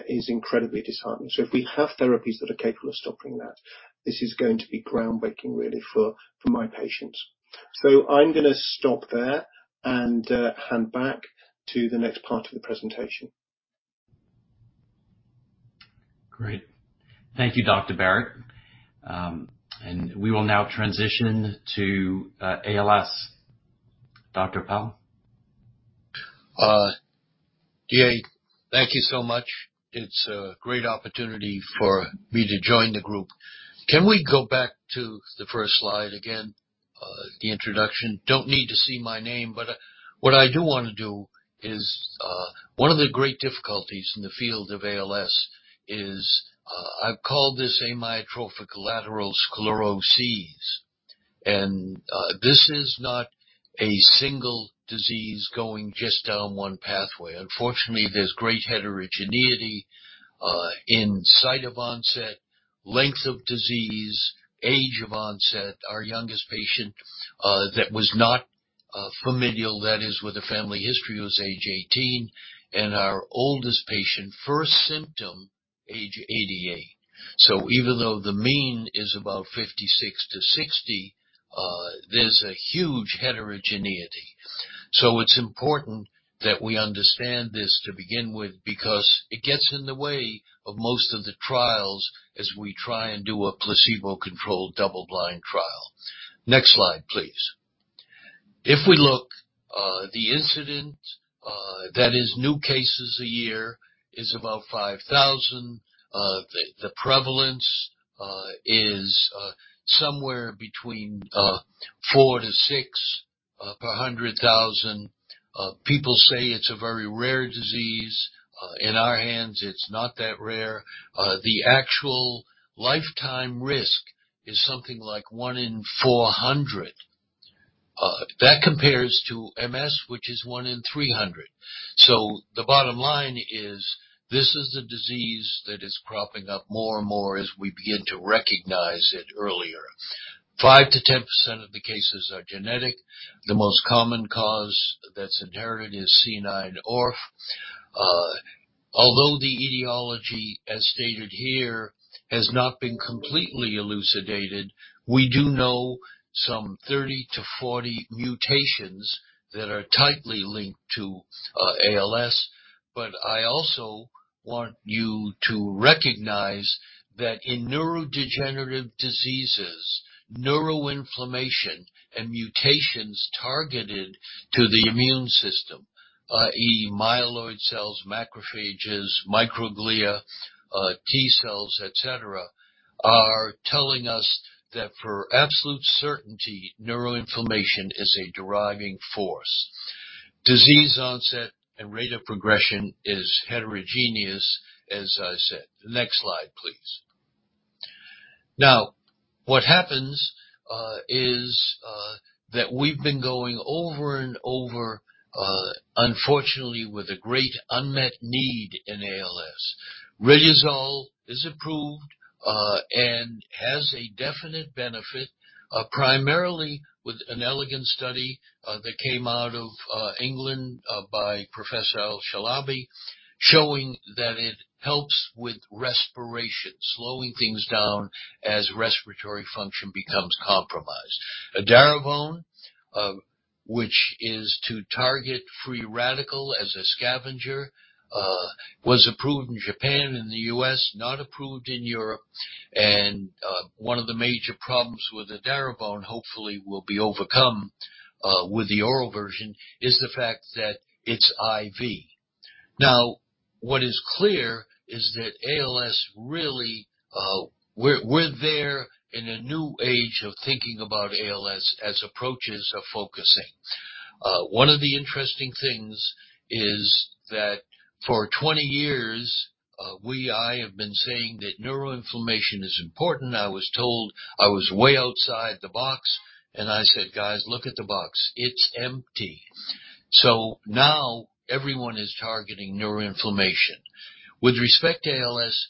is incredibly disheartening. If we have therapies that are capable of stopping that, this is going to be groundbreaking really for my patients. I'm gonna stop there and hand back to the next part of the presentation. Great. Thank you, Dr. Barratt. We will now transition to ALS. Dr. Appel. David-Alexandre Gros, thank you so much. It's a great opportunity for me to join the group. Can we go back to the first slide again? The introduction. Don't need to see my name, but what I do wanna do is one of the great difficulties in the field of ALS is I've called this amyotrophic lateral sclerosis. This is not a single disease going just down one pathway. Unfortunately, there's great heterogeneity in site of onset, length of disease, age of onset. Our youngest patient that was not familial, that is with a family history, was age 18, and our oldest patient first symptom age 88. So even though the mean is about 56-60, there's a huge heterogeneity. It's important that we understand this to begin with because it gets in the way of most of the trials as we try and do a placebo-controlled double-blind trial. Next slide, please. If we look, the incidence, that is new cases a year, is about 5,000. The prevalence is somewhere between 4-6 per 100,000. People say it's a very rare disease. In our hands, it's not that rare. The actual lifetime risk is something like one in 400. That compares to MS, which is one in 300. The bottom line is this is a disease that is cropping up more and more as we begin to recognize it earlier. 5%-10% of the cases are genetic. The most common cause that's inherited is C9orf72. Although the etiology, as stated here, has not been completely elucidated, we do know some 30-40 mutations that are tightly linked to ALS. I also want you to recognize that in neurodegenerative diseases, neuroinflammation and mutations targeted to the immune system, i.e., myeloid cells, macrophages, microglia, T cells, et cetera, are telling us that for absolute certainty, neuroinflammation is a driving force. Disease onset and rate of progression is heterogeneous, as I said. Next slide, please. Now, what happens is that we've been going over and over, unfortunately, with a great unmet need in ALS. Radicava is approved and has a definite benefit, primarily with an elegant study that came out of England by Professor Al-Chalabi, showing that it helps with respiration, slowing things down as respiratory function becomes compromised. Edaravone, which is to target free radical as a scavenger, was approved in Japan and the U.S., not approved in Europe. One of the major problems with Edaravone, hopefully will be overcome with the oral version, is the fact that it's IV. Now, what is clear is that ALS really. We're there in a new age of thinking about ALS as approaches of focusing. One of the interesting things is that for 20 years, I have been saying that neuroinflammation is important. I was told I was way outside the box, and I said, "Guys, look at the box. It's empty." Now everyone is targeting neuroinflammation. With respect to ALS,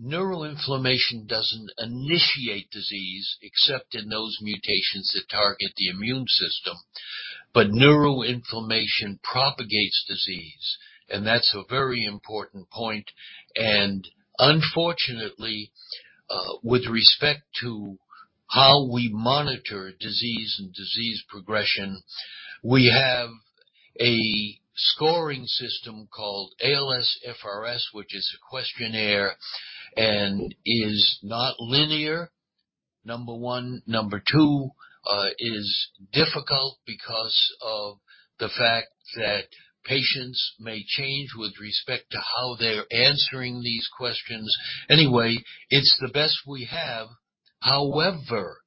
neuroinflammation doesn't initiate disease, except in those mutations that target the immune system, but neuroinflammation propagates disease, and that's a very important point. Unfortunately, with respect to how we monitor disease and disease progression, we have a scoring system called ALSFRS, which is a questionnaire and is not linear, number one. Number two, is difficult because of the fact that patients may change with respect to how they're answering these questions. Anyway, it's the best we have. However,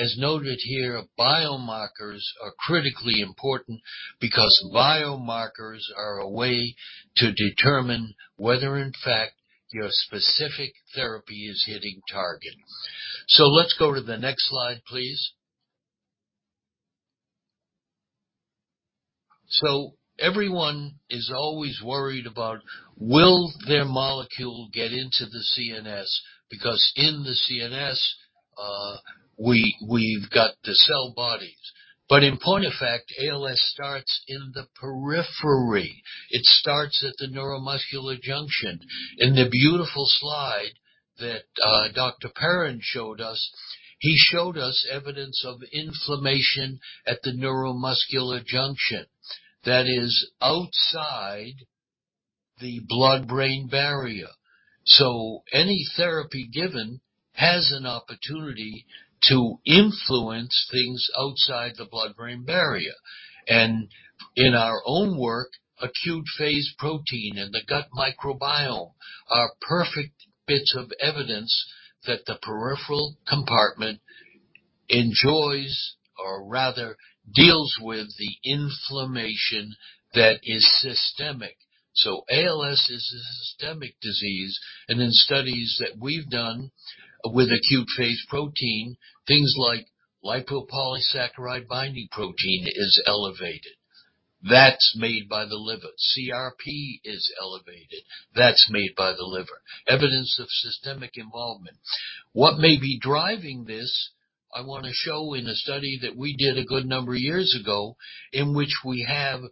as noted here, biomarkers are critically important because biomarkers are a way to determine whether in fact your specific therapy is hitting target. Let's go to the next slide, please. Everyone is always worried about will their molecule get into the CNS? Because in the CNS, we've got the cell bodies. In point of fact, ALS starts in the periphery. It starts at the neuromuscular junction. In the beautiful slide that, Dr. Perrin showed us, he showed us evidence of inflammation at the neuromuscular junction that is outside the blood-brain barrier. Any therapy given has an opportunity to influence things outside the blood-brain barrier. In our own work, acute-phase protein and the gut microbiome are perfect bits of evidence that the peripheral compartment enjoys or rather deals with the inflammation that is systemic. ALS is a systemic disease, and in studies that we've done with acute-phase protein, things like lipopolysaccharide-binding protein is elevated. That's made by the liver. CRP is elevated. That's made by the liver. Evidence of systemic involvement. What may be driving this, I wanna show in a study that we did a good number of years ago, in which we have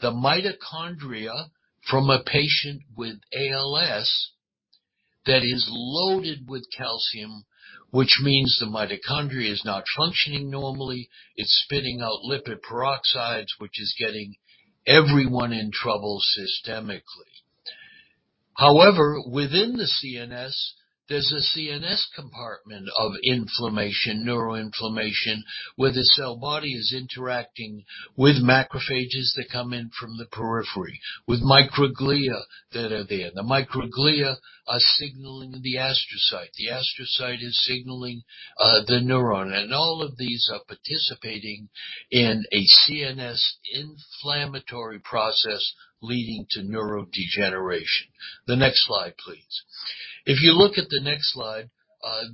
the mitochondria from a patient with ALS that is loaded with calcium, which means the mitochondria is not functioning normally. It's spitting out lipid peroxides, which is getting everyone in trouble systemically. However, within the CNS, there's a CNS compartment of inflammation, neuroinflammation, where the cell body is interacting with macrophages that come in from the periphery, with microglia that are there. The microglia are signaling the astrocyte. The astrocyte is signaling the neuron. And all of these are participating in a CNS inflammatory process leading to neurodegeneration. The next slide, please. If you look at the next slide,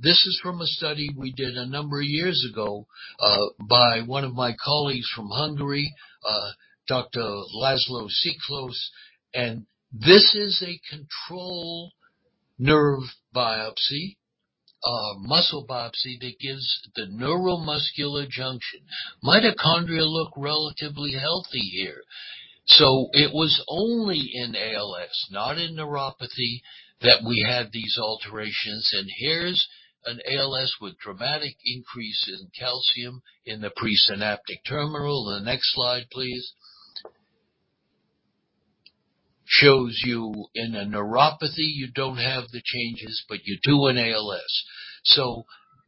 this is from a study we did a number of years ago, by one of my colleagues from Hungary, Dr. Laszlo Siklos. And this is a control nerve biopsy, muscle biopsy that gives the neuromuscular junction. Mitochondria look relatively healthy here. It was only in ALS, not in neuropathy, that we had these alterations. Here's an ALS with dramatic increase in calcium in the presynaptic terminal. The next slide, please. Shows you in a neuropathy, you don't have the changes, but you do in ALS.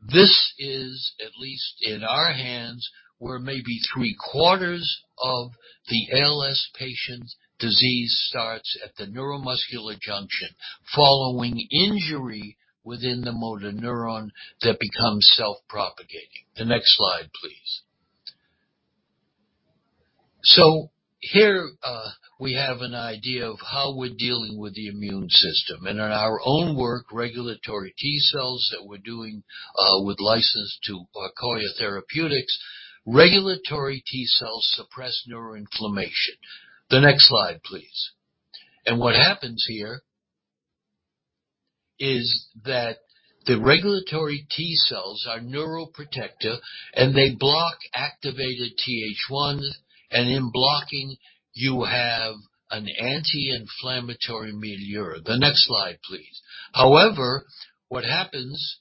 This is, at least in our hands, where maybe three-quarters of the ALS patient's disease starts at the neuromuscular junction following injury within the motor neuron that becomes self-propagating. The next slide, please. Here, we have an idea of how we're dealing with the immune system, and in our own work, regulatory T cells that we're doing with license to Coya Therapeutics, regulatory T cells suppress neuroinflammation. The next slide, please. What happens here is that the regulatory T cells are neuroprotective, and they block activated TH1, and in blocking, you have an anti-inflammatory milieu. The next slide, please. However, what happens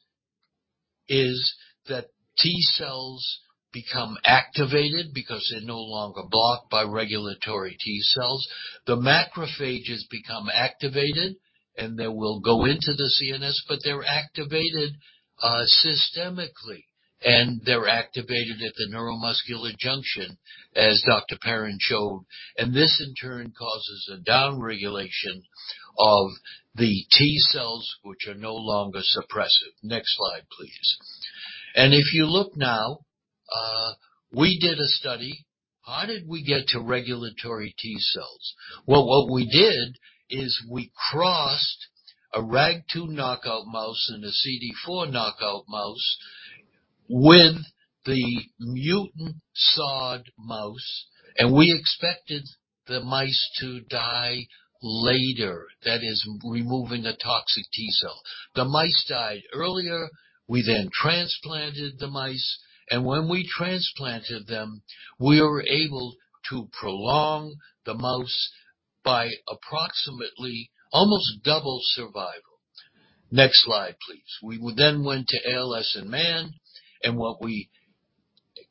is that T cells become activated because they're no longer blocked by regulatory T cells. The macrophages become activated, and they will go into the CNS, but they're activated systemically, and they're activated at the neuromuscular junction, as Dr. Perrin showed, and this in turn causes a downregulation of the T cells which are no longer suppressive. Next slide, please. If you look now, we did a study. How did we get to regulatory T cells? Well, what we did is we crossed a Rag2 knockout mouse and a CD4 knockout mouse with the mutant SOD mouse, and we expected the mice to die later. That is, removing a toxic T cell. The mice died earlier. We then transplanted the mice, and when we transplanted them, we were able to prolong the mouse by approximately almost double survival. Next slide, please. We went to ALS in man, and what we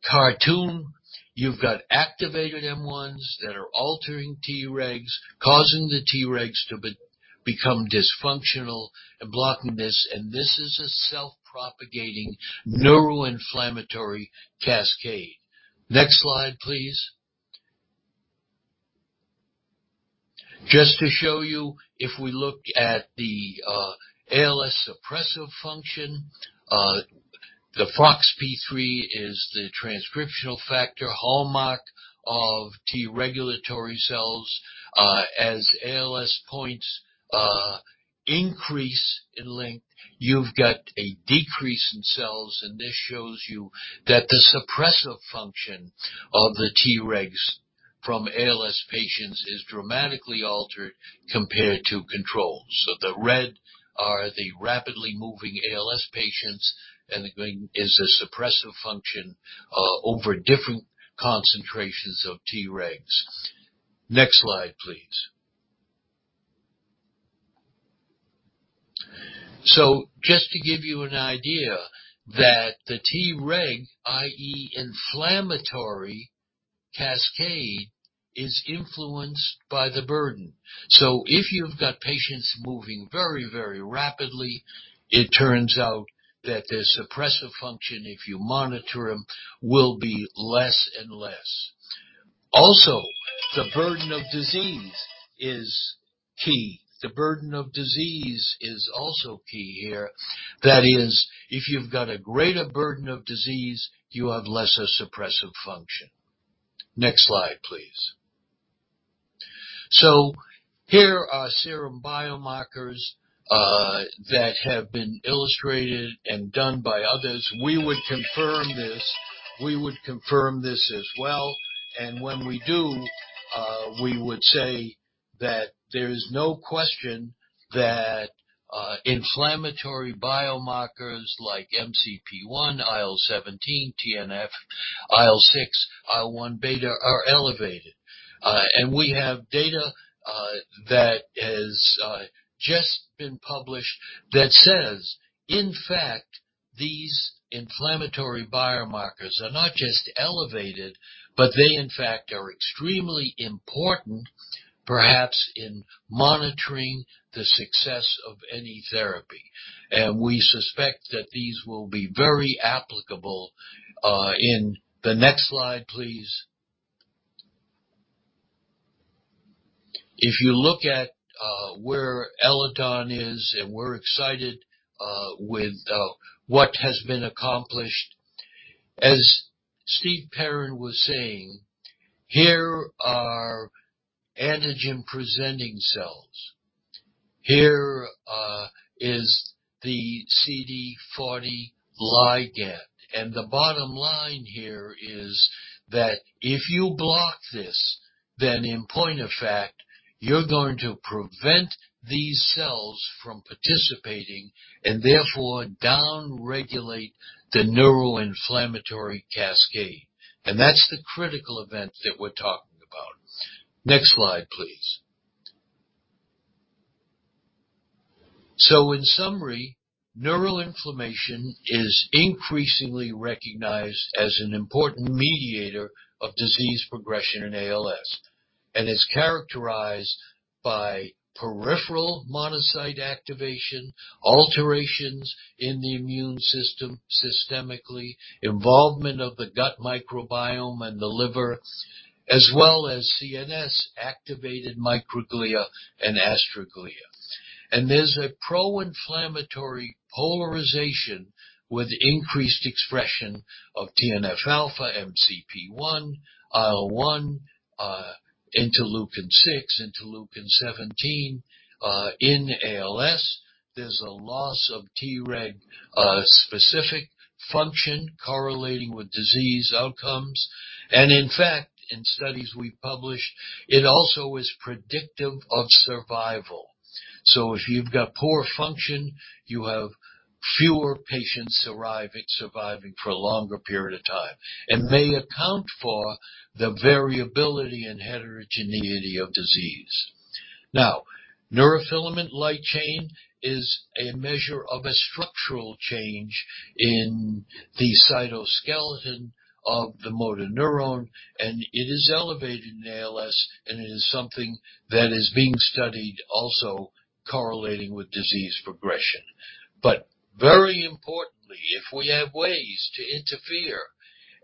cartoon, you've got activated M1s that are altering Tregs, causing the Tregs to become dysfunctional and blocking this, and this is a self-propagating neuroinflammatory cascade. Next slide, please. Just to show you, if we look at the ALS suppressive function, the FOXP3 is the transcription factor hallmark of T regulatory cells. As ALS points increase in length, you've got a decrease in cells, and this shows you that the suppressive function of the Tregs from ALS patients is dramatically altered compared to controls. The red are the rapidly moving ALS patients, and the green is the suppressive function over different concentrations of Tregs. Next slide, please. Just to give you an idea that the Treg, i.e., inflammatory cascade, is influenced by the burden. If you've got patients moving very, very rapidly, it turns out that their suppressive function, if you monitor them, will be less and less. Also, the burden of disease is key. The burden of disease is also key here. That is, if you've got a greater burden of disease, you have lesser suppressive function. Next slide, please. Here are serum biomarkers that have been illustrated and done by others. We would confirm this as well, and when we do, we would say that there is no question that inflammatory biomarkers like MCP1, IL-17, TNF, IL-6, IL-1 beta are elevated. We have data that has just been published that says, in fact, these inflammatory biomarkers are not just elevated, but they, in fact, are extremely important perhaps in monitoring the success of any therapy. We suspect that these will be very applicable in. The next slide, please. If you look at where Eledon is, and we're excited with what has been accomplished. As Steven Perrin was saying, here are antigen presenting cells. Here is the CD40 ligand, and the bottom line here is that if you block this, then in point of fact, you're going to prevent these cells from participating and therefore down-regulate the neuroinflammatory cascade. That's the critical event that we're talking about. Next slide, please. In summary, neuroinflammation is increasingly recognized as an important mediator of disease progression in ALS, and is characterized by peripheral monocyte activation, alterations in the immune system systemically, involvement of the gut microbiome and the liver, as well as CNS activated microglia and astroglia. There's a pro-inflammatory polarization with increased expression of TNF alpha, MCP-1, IL-1, interleukin-6, interleukin-17. In ALS, there's a loss of Treg specific function correlating with disease outcomes. In fact, in studies we published, it also is predictive of survival. If you've got poor function, you have fewer patients surviving for a longer period of time, and they account for the variability and heterogeneity of disease. Now, neurofilament light chain is a measure of a structural change in the cytoskeleton of the motor neuron, and it is elevated in ALS, and it is something that is being studied also correlating with disease progression. Very importantly, if we have ways to interfere,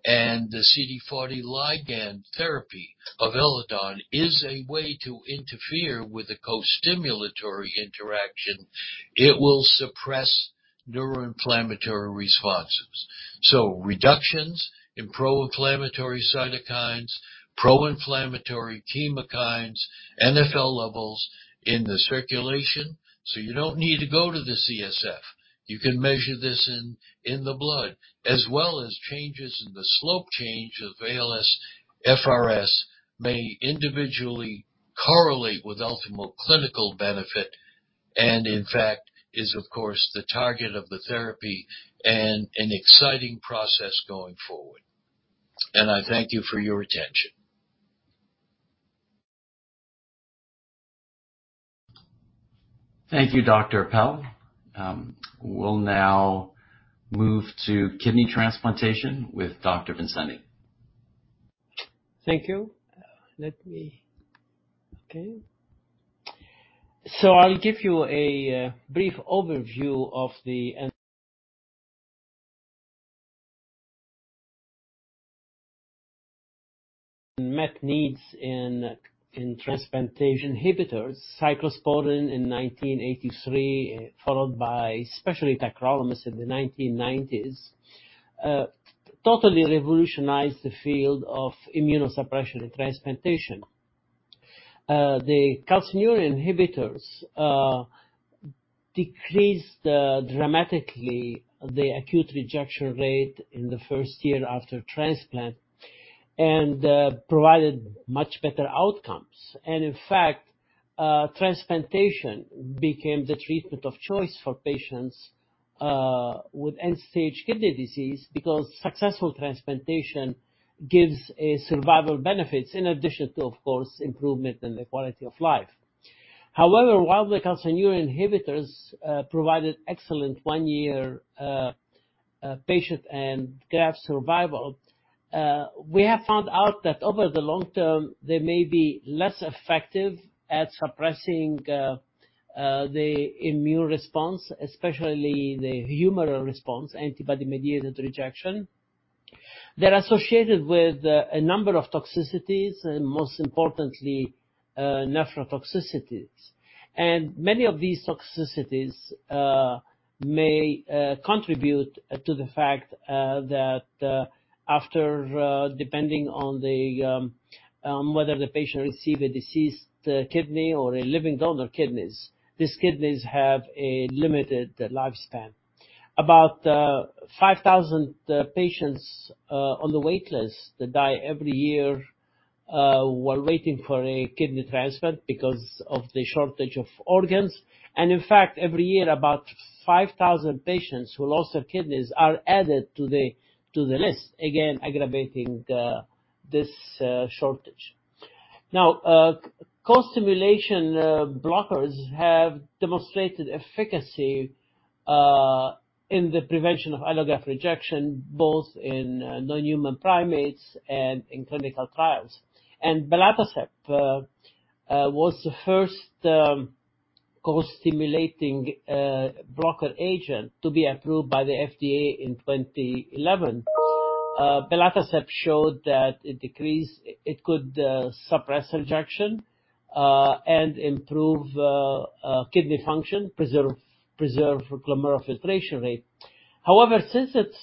and the CD40 ligand therapy of Eledon is a way to interfere with the co-stimulatory interaction, it will suppress neuroinflammatory responses. Reductions in pro-inflammatory cytokines, pro-inflammatory chemokines, NfL levels in the circulation, so you don't need to go to the CSF. You can measure this in the blood, as well as changes in the slope change of ALSFRS may individually correlate with ultimate clinical benefit, and in fact, is of course the target of the therapy and an exciting process going forward. I thank you for your attention. Thank you, Dr. Appel. We'll now move to kidney transplantation with Dr. Vincenti. Thank you. I'll give you a brief overview of the unmet needs in transplantation inhibitors. Cyclosporine in 1983, followed by especially tacrolimus in the 1990s, totally revolutionized the field of immunosuppression and transplantation. The calcineurin inhibitors decreased dramatically the acute rejection rate in the first year after transplant and provided much better outcomes. In fact, transplantation became the treatment of choice for patients with end-stage kidney disease because successful transplantation gives a survival benefits in addition to, of course, improvement in the quality of life. However, while the calcineurin inhibitors provided excellent one-year patient and graft survival, we have found out that over the long term, they may be less effective at suppressing the immune response, especially the humoral response, antibody-mediated rejection. They're associated with a number of toxicities, and most importantly, nephrotoxicities. Many of these toxicities may contribute to the fact that after, depending on whether the patient receive a deceased kidney or a living donor kidneys, these kidneys have a limited lifespan. About 5,000 patients on the wait list that die every year while waiting for a kidney transplant because of the shortage of organs. In fact, every year, about 5,000 patients who lost their kidneys are added to the list, again, aggravating this shortage. Now, costimulation blockers have demonstrated efficacy in the prevention of allograft rejection, both in non-human primates and in clinical trials. Belatacept was the first costimulation blocker agent to be approved by the FDA in 2011. Belatacept showed that it could suppress rejection and improve kidney function, preserve glomerular filtration rate. However, since its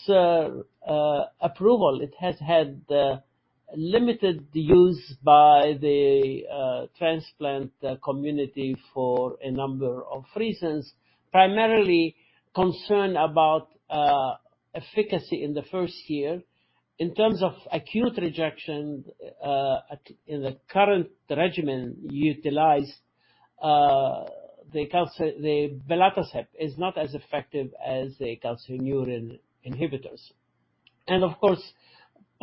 approval, it has had limited use by the transplant community for a number of reasons, primarily concern about efficacy in the first year. In terms of acute rejection, in the current regimen utilized, belatacept is not as effective as the calcineurin inhibitors. Of course,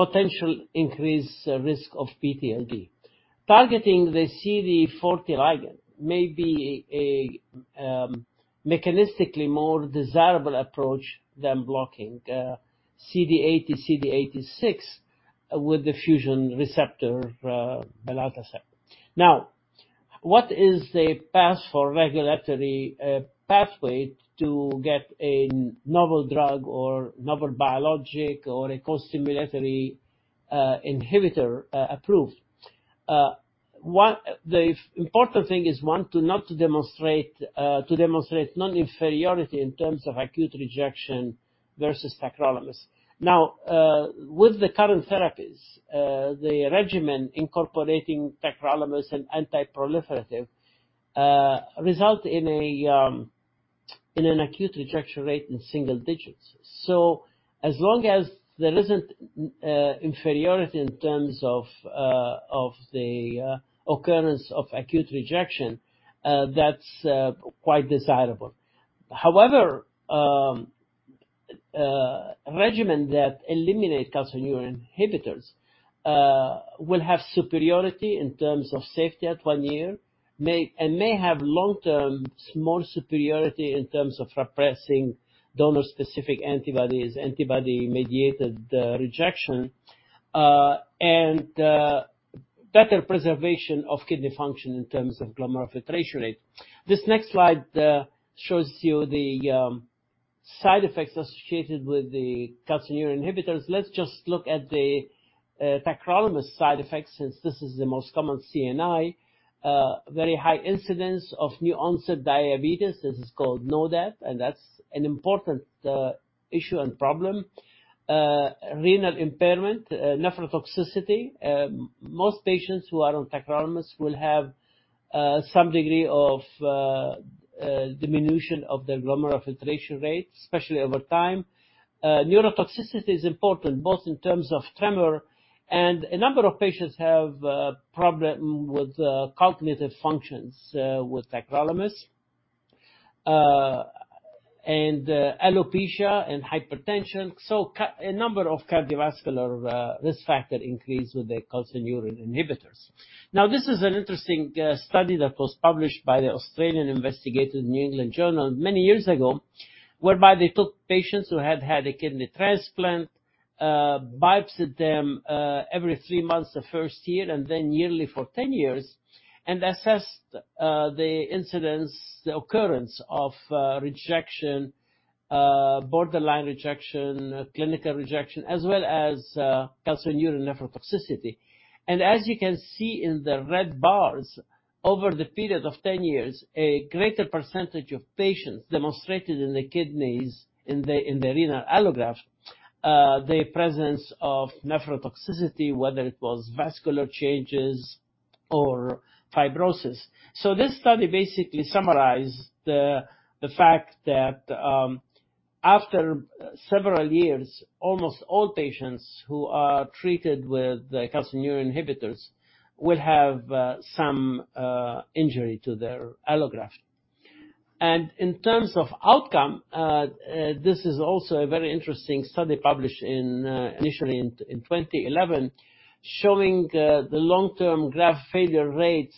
potential increased risk of PTLD. Targeting the CD40 ligand may be a mechanistically more desirable approach than blocking CD80, CD86 with the fusion receptor belatacept. Now, what is the path for regulatory pathway to get a novel drug or novel biologic or a costimulatory inhibitor approved? The important thing is, one, to demonstrate non-inferiority in terms of acute rejection versus tacrolimus. Now, with the current therapies, the regimen incorporating tacrolimus and anti-proliferative result in an acute rejection rate in single digits. As long as there isn't inferiority in terms of the occurrence of acute rejection, that's quite desirable. However, regimen that eliminate calcineurin inhibitors will have superiority in terms of safety at one year, and may have long-term small superiority in terms of repressing donor-specific antibodies, antibody-mediated rejection, and better preservation of kidney function in terms of glomerular filtration rate. This next slide shows you the side effects associated with the calcineurin inhibitors. Let's just look at the tacrolimus side effects since this is the most common CNI. Very high incidence of new onset diabetes. This is called NODAT, and that's an important issue and problem. Renal impairment, nephrotoxicity. Most patients who are on tacrolimus will have some degree of diminution of their glomerular filtration rate, especially over time. Neurotoxicity is important both in terms of tremor, and a number of patients have problem with cognitive functions with tacrolimus. Alopecia and hypertension. A number of cardiovascular risk factor increase with the calcineurin inhibitors. Now, this is an interesting study that was published by Australian investigators in the New England Journal of Medicine many years ago, whereby they took patients who had had a kidney transplant, biopsied them, every 3 months the first year and then yearly for 10 years, and assessed the incidence, the occurrence of rejection, borderline rejection, clinical rejection, as well as calcineurin nephrotoxicity. As you can see in the red bars, over the period of 10 years, a greater percentage of patients demonstrated in the kidneys, in the renal allograft, the presence of nephrotoxicity, whether it was vascular changes or fibrosis. This study basically summarized the fact that, after several years, almost all patients who are treated with the calcineurin inhibitors will have some injury to their allograft. In terms of outcome, this is also a very interesting study published in, initially in 2011, showing the long-term graft failure rates,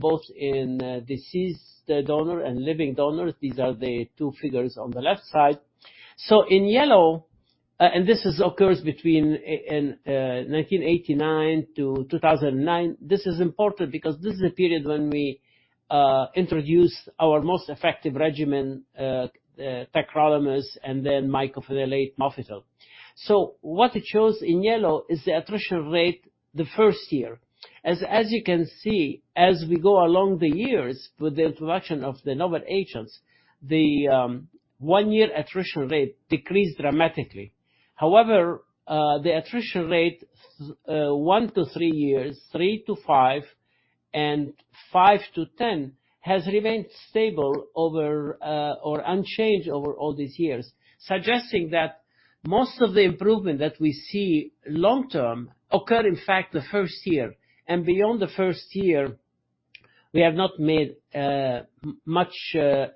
both in deceased donor and living donors. These are the two figures on the left side. In yellow, this occurs between in 1989 to 2009. This is important because this is the period when we introduced our most effective regimen, tacrolimus and then mycophenolate mofetil. What it shows in yellow is the attrition rate the first year. As you can see, as we go along the years with the introduction of the novel agents, the one-year attrition rate decreased dramatically. However, the attrition rate 1-3 years, 3-5, and 5-10 has remained stable over or unchanged over all these years. Suggesting that most of the improvement that we see long term occur, in fact, the first year. Beyond the first year, we have not made much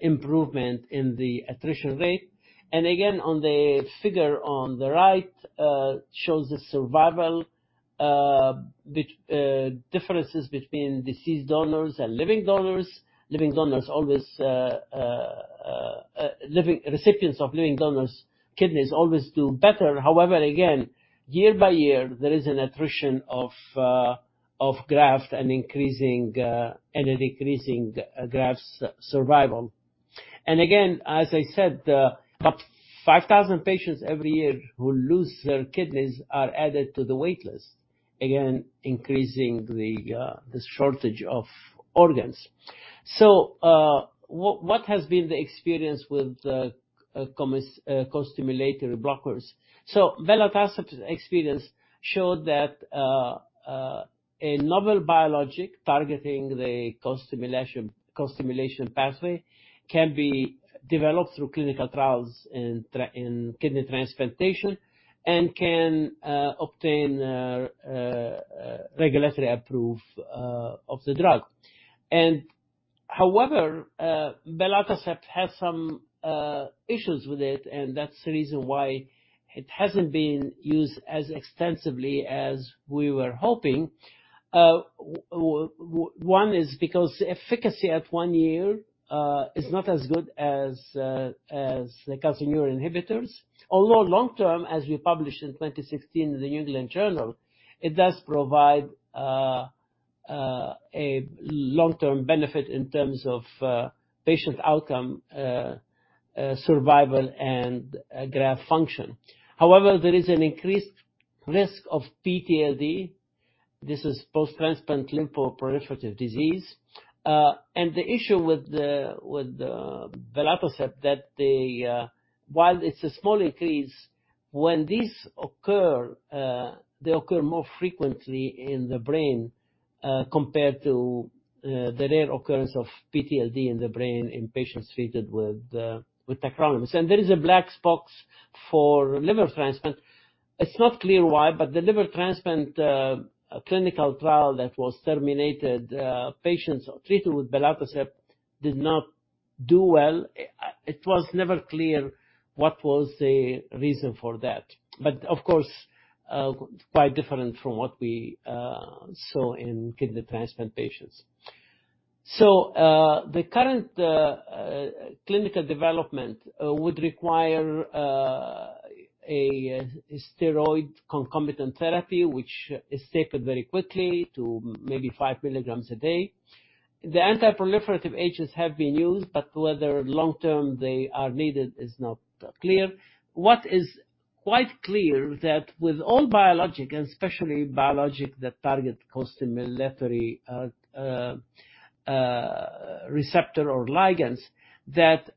improvement in the attrition rate. Again, on the figure on the right shows the survival differences between deceased donors and living donors. Living donors recipients of living donors' kidneys always do better. However, again, year by year, there is an attrition of graft and increasing and a decreasing graft survival. Again, as I said, up 5,000 patients every year who lose their kidneys are added to the wait list. Increasing the shortage of organs. What has been the experience with costimulatory blockers? Belatacept's experience showed that a novel biologic targeting the costimulation pathway can be developed through clinical trials in kidney transplantation and can obtain regulatory approval of the drug. However, belatacept has some issues with it, and that's the reason why it hasn't been used as extensively as we were hoping. One is because efficacy at one year is not as good as the calcineurin inhibitors. Although long-term, as we published in 2016 in the New England Journal of Medicine, it does provide a long-term benefit in terms of patient outcome, survival and graft function. However, there is an increased risk of PTLD. This is post-transplant lymphoproliferative disease. The issue with the belatacept, while it's a small increase, when these occur, they occur more frequently in the brain compared to the rare occurrence of PTLD in the brain in patients treated with tacrolimus. There is a black box for liver transplant. It's not clear why, but the liver transplant clinical trial that was terminated, patients treated with belatacept did not do well. It was never clear what was the reason for that. Of course, quite different from what we saw in kidney transplant patients. The current clinical development would require a steroid concomitant therapy, which is tapered very quickly to maybe 5 milligrams a day. The anti-proliferative agents have been used, but whether long-term they are needed is not clear. What is quite clear that with all biologic, and especially biologic that target costimulatory receptor or ligands, that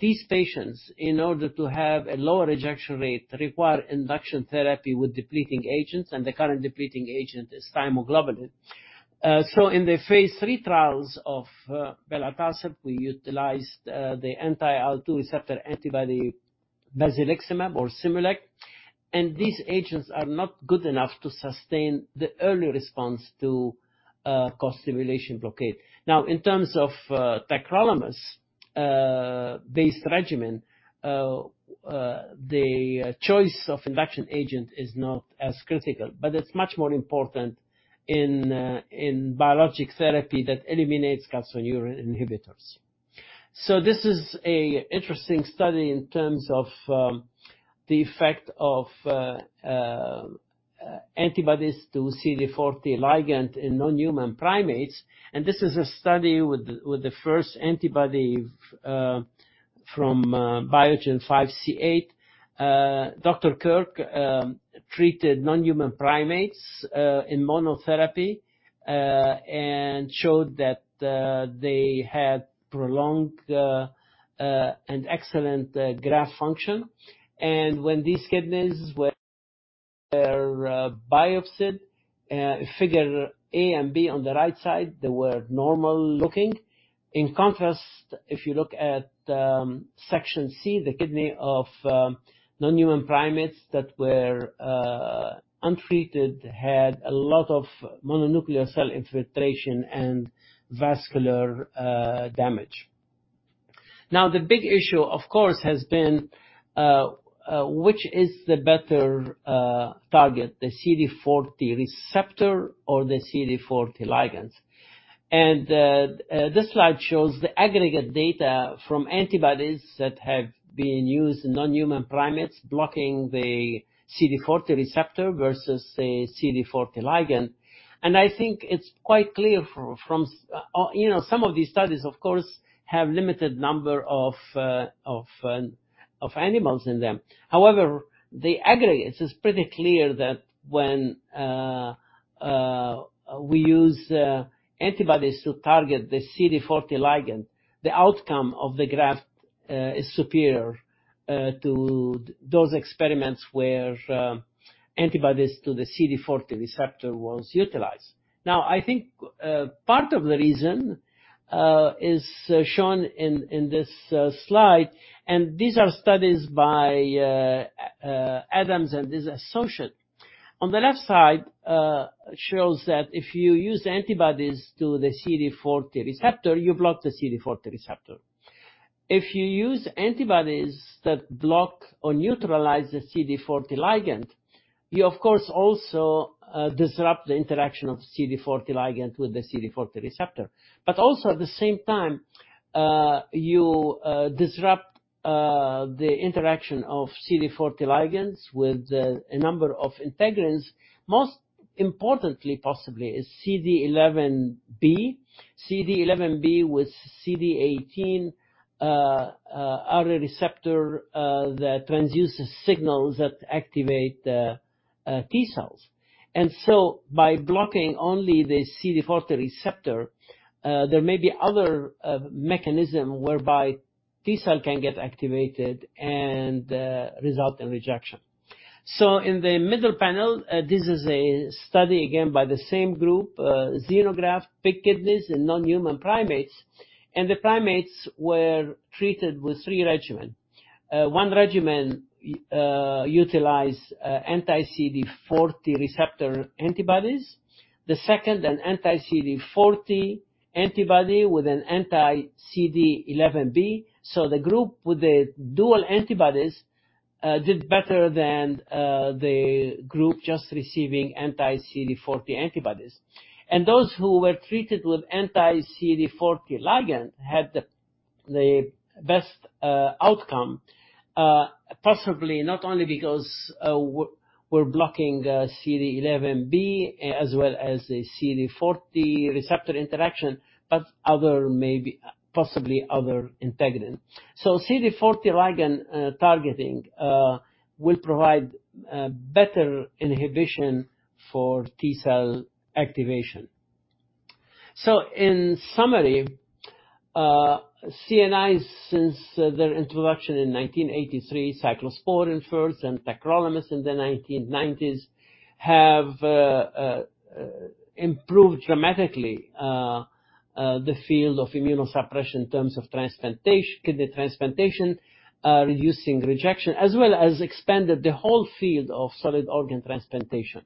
these patients, in order to have a lower rejection rate, require induction therapy with depleting agents, and the current depleting agent is Thymoglobulin. In the phase III trials of belatacept, we utilized the anti-IL-2 receptor antibody basiliximab or Simulect, and these agents are not good enough to sustain the early response to costimulation blockade. Now, in terms of tacrolimus based regimen, the choice of induction agent is not as critical, but it's much more important in biologic therapy that eliminates calcineurin inhibitors. This is a interesting study in terms of the effect of antibodies to CD40 ligand in non-human primates. This is a study with the first antibody from Biogen 5C8. Dr. Kirk treated non-human primates in monotherapy and showed that they had prolonged and excellent graft function. When these kidneys were biopsied, Figure A and B on the right side, they were normal looking. In contrast, if you look at section C, the kidney of non-human primates that were untreated, had a lot of mononuclear cell infiltration and vascular damage. Now, the big issue, of course, has been which is the better target, the CD40 receptor or the CD40 ligands. This slide shows the aggregate data from antibodies that have been used in non-human primates blocking the CD40 receptor versus the CD40 ligand. I think it's quite clear from. You know, some of these studies of course have limited number of animals in them. However, the aggregate is pretty clear that when we use antibodies to target the CD40 ligand, the outcome of the graft is superior to those experiments where antibodies to the CD40 receptor was utilized. Now, I think part of the reason is shown in this slide, and these are studies by Adams and his associate. On the left side shows that if you use antibodies to the CD40 receptor, you block the CD40 receptor. If you use antibodies that block or neutralize the CD40 ligand, you of course also disrupt the interaction of CD40 ligand with the CD40 receptor. But also at the same time, you disrupt the interaction of CD40 ligands with a number of integrins, most importantly possibly is CD11B. CD11B with CD18 are a receptor that transduces signals that activate the T cells. By blocking only the CD40 receptor, there may be other mechanism whereby T cell can get activated and result in rejection. In the middle panel, this is a study again by the same group, xenograft pig kidneys in non-human primates, and the primates were treated with three regimen. One regimen utilized anti-CD40 receptor antibodies. The second, an anti-CD40 antibody with an anti-CD11B. The group with the dual antibodies did better than the group just receiving anti-CD40 antibodies. Those who were treated with anti-CD40 ligand had the best outcome. Possibly not only because we're blocking CD11B as well as the CD40 receptor interaction, but other maybe, possibly other integrins. CD40 ligand targeting will provide better inhibition for T cell activation. In summary, CNIs since their introduction in 1983, cyclosporine first and tacrolimus in the 1990s, have improved dramatically the field of immunosuppression in terms of kidney transplantation, reducing rejection, as well as expanded the whole field of solid organ transplantation.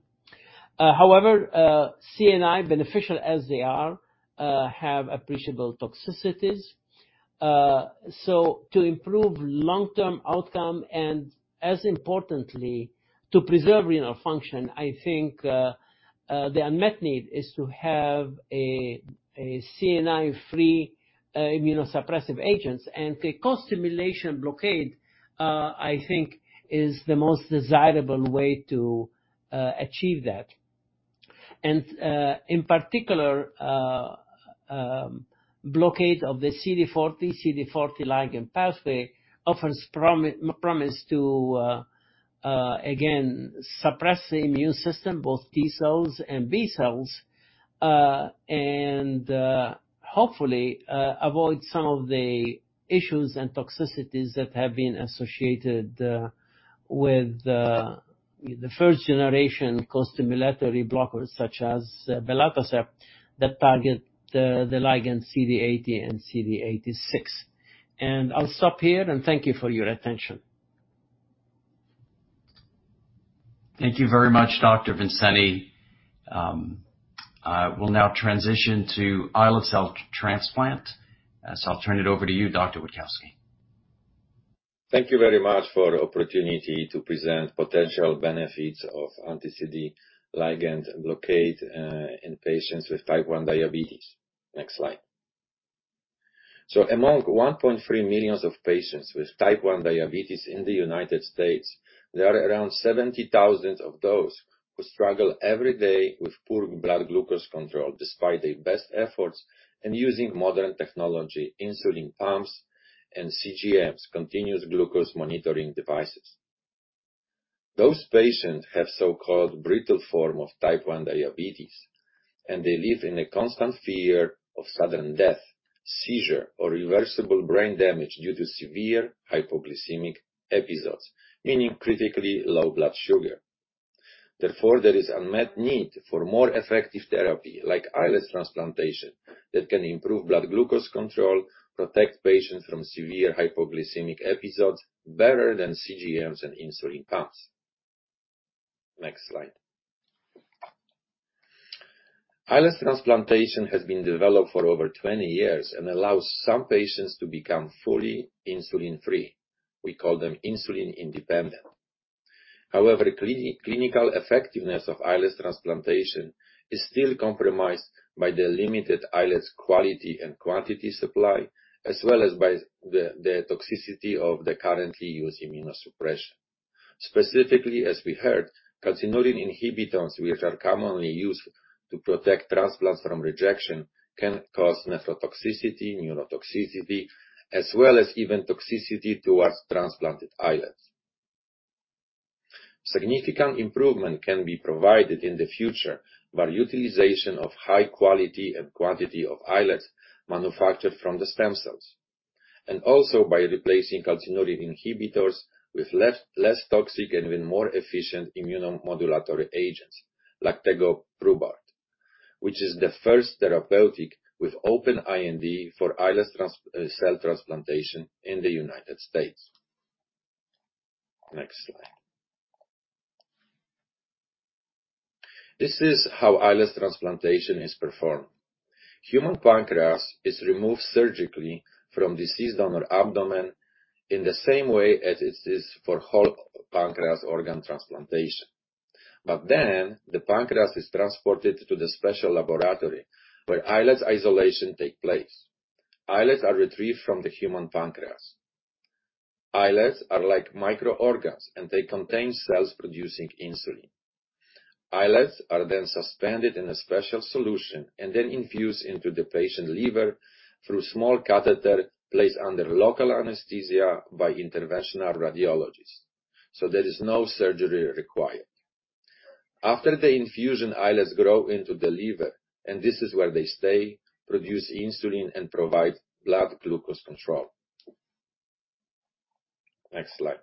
However, CNI beneficial as they are, have appreciable toxicities. To improve long-term outcome and as importantly, to preserve renal function, I think, the unmet need is to have a CNI-free immunosuppressive agents. The costimulation blockade, I think is the most desirable way to achieve that. In particular, blockade of the CD40 ligand pathway offers promise to again, suppress the immune system, both T cells and B cells. Hopefully, avoid some of the issues and toxicities that have been associated with the first generation costimulatory blockers such as belatacept that target the ligand CD80 and CD86. I'll stop here, and thank you for your attention. Thank you very much, Dr. Vincenti. I will now transition to islet cell transplant. I'll turn it over to you, Dr. Witkowski. Thank you very much for the opportunity to present potential benefits of anti-CD40 ligand blockade in patients with type 1 diabetes. Next slide. Among 1.3 million patients with type 1 diabetes in the United States, there are around 70,000 of those who struggle every day with poor blood glucose control despite their best efforts in using modern technology, insulin pumps and CGMs, continuous glucose monitoring devices. Those patients have so-called brittle form of type 1 diabetes, and they live in a constant fear of sudden death, seizure or reversible brain damage due to severe hypoglycemic episodes, meaning critically low blood sugar. Therefore, there is unmet need for more effective therapy like islet transplantation that can improve blood glucose control, protect patients from severe hypoglycemic episodes better than CGMs and insulin pumps. Next slide. Islets transplantation has been developed for over 20 years and allows some patients to become fully insulin-free. We call them insulin independent. However, clinical effectiveness of islets transplantation is still compromised by the limited islets quality and quantity supply, as well as by the toxicity of the currently used immunosuppression. Specifically, as we heard, calcineurin inhibitors, which are commonly used to protect transplants from rejection, can cause nephrotoxicity, neurotoxicity, as well as even toxicity towards transplanted islets. Significant improvement can be provided in the future by utilization of high quality and quantity of islets manufactured from the stem cells, also by replacing calcineurin inhibitors with less toxic and even more efficient immunomodulatory agents like tegoprubart, which is the first therapeutic with open IND for islets cell transplantation in the United States. Next slide. This is how islets transplantation is performed. Human pancreas is removed surgically from deceased donor abdomen in the same way as it is for whole pancreas organ transplantation. The pancreas is transported to the special laboratory where islets isolation take place. Islets are retrieved from the human pancreas. Islets are like micro organs, and they contain cells producing insulin. Islets are then suspended in a special solution and then infused into the patient's liver through a small catheter placed under local anesthesia by interventional radiologist. There is no surgery required. After the infusion, islets grow into the liver, and this is where they stay, produce insulin, and provide blood glucose control. Next slide.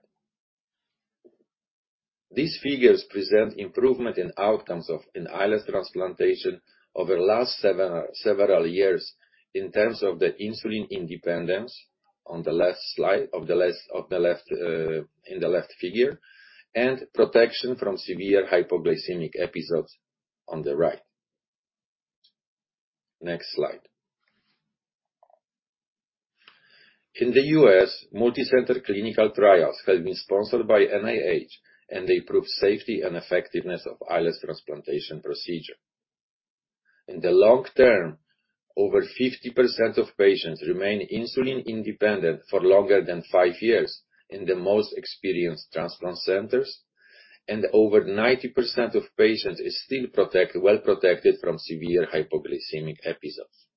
These figures present improvement in outcomes of an islet transplantation over the last several years in terms of the insulin independence. On the left in the left figure, and protection from severe hypoglycemic episodes on the right. Next slide. In the U.S., multi-center clinical trials have been sponsored by NIH, and they prove safety and effectiveness of islet transplantation procedure. In the long term, over 50% of patients remain insulin-independent for longer than 5 years in the most experienced transplant centers, and over 90% of patients is still well protected from severe hypoglycemic episodes.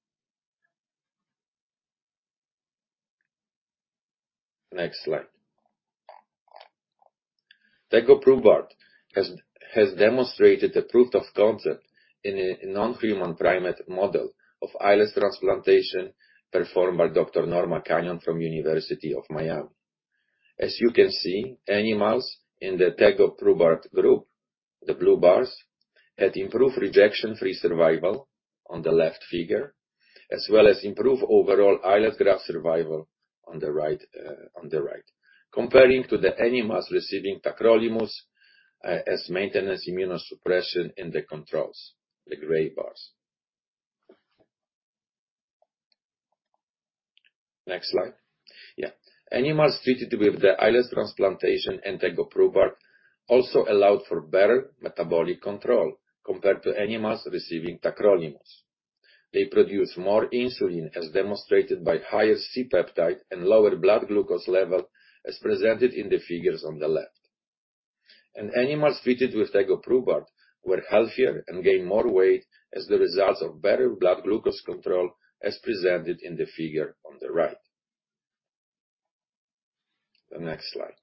Next slide. tegoprubart has demonstrated the proof of concept in a non-human primate model of islet transplantation performed by Dr. Norma Kenyon from University of Miami. As you can see, animals in the tegoprubart group, the blue bars, had improved rejection-free survival on the left figure, as well as improved overall islet graft survival on the right, compared to the animals receiving tacrolimus as maintenance immunosuppression in the controls, the gray bars. Next slide. Yeah. Animals treated with the islet transplantation and tegoprubart also allowed for better metabolic control compared to animals receiving tacrolimus. They produce more insulin, as demonstrated by higher C-peptide and lower blood glucose levels, as presented in the figures on the left. Animals treated with tegoprubart were healthier and gained more weight as a result of better blood glucose control, as presented in the figure on the right. The next slide.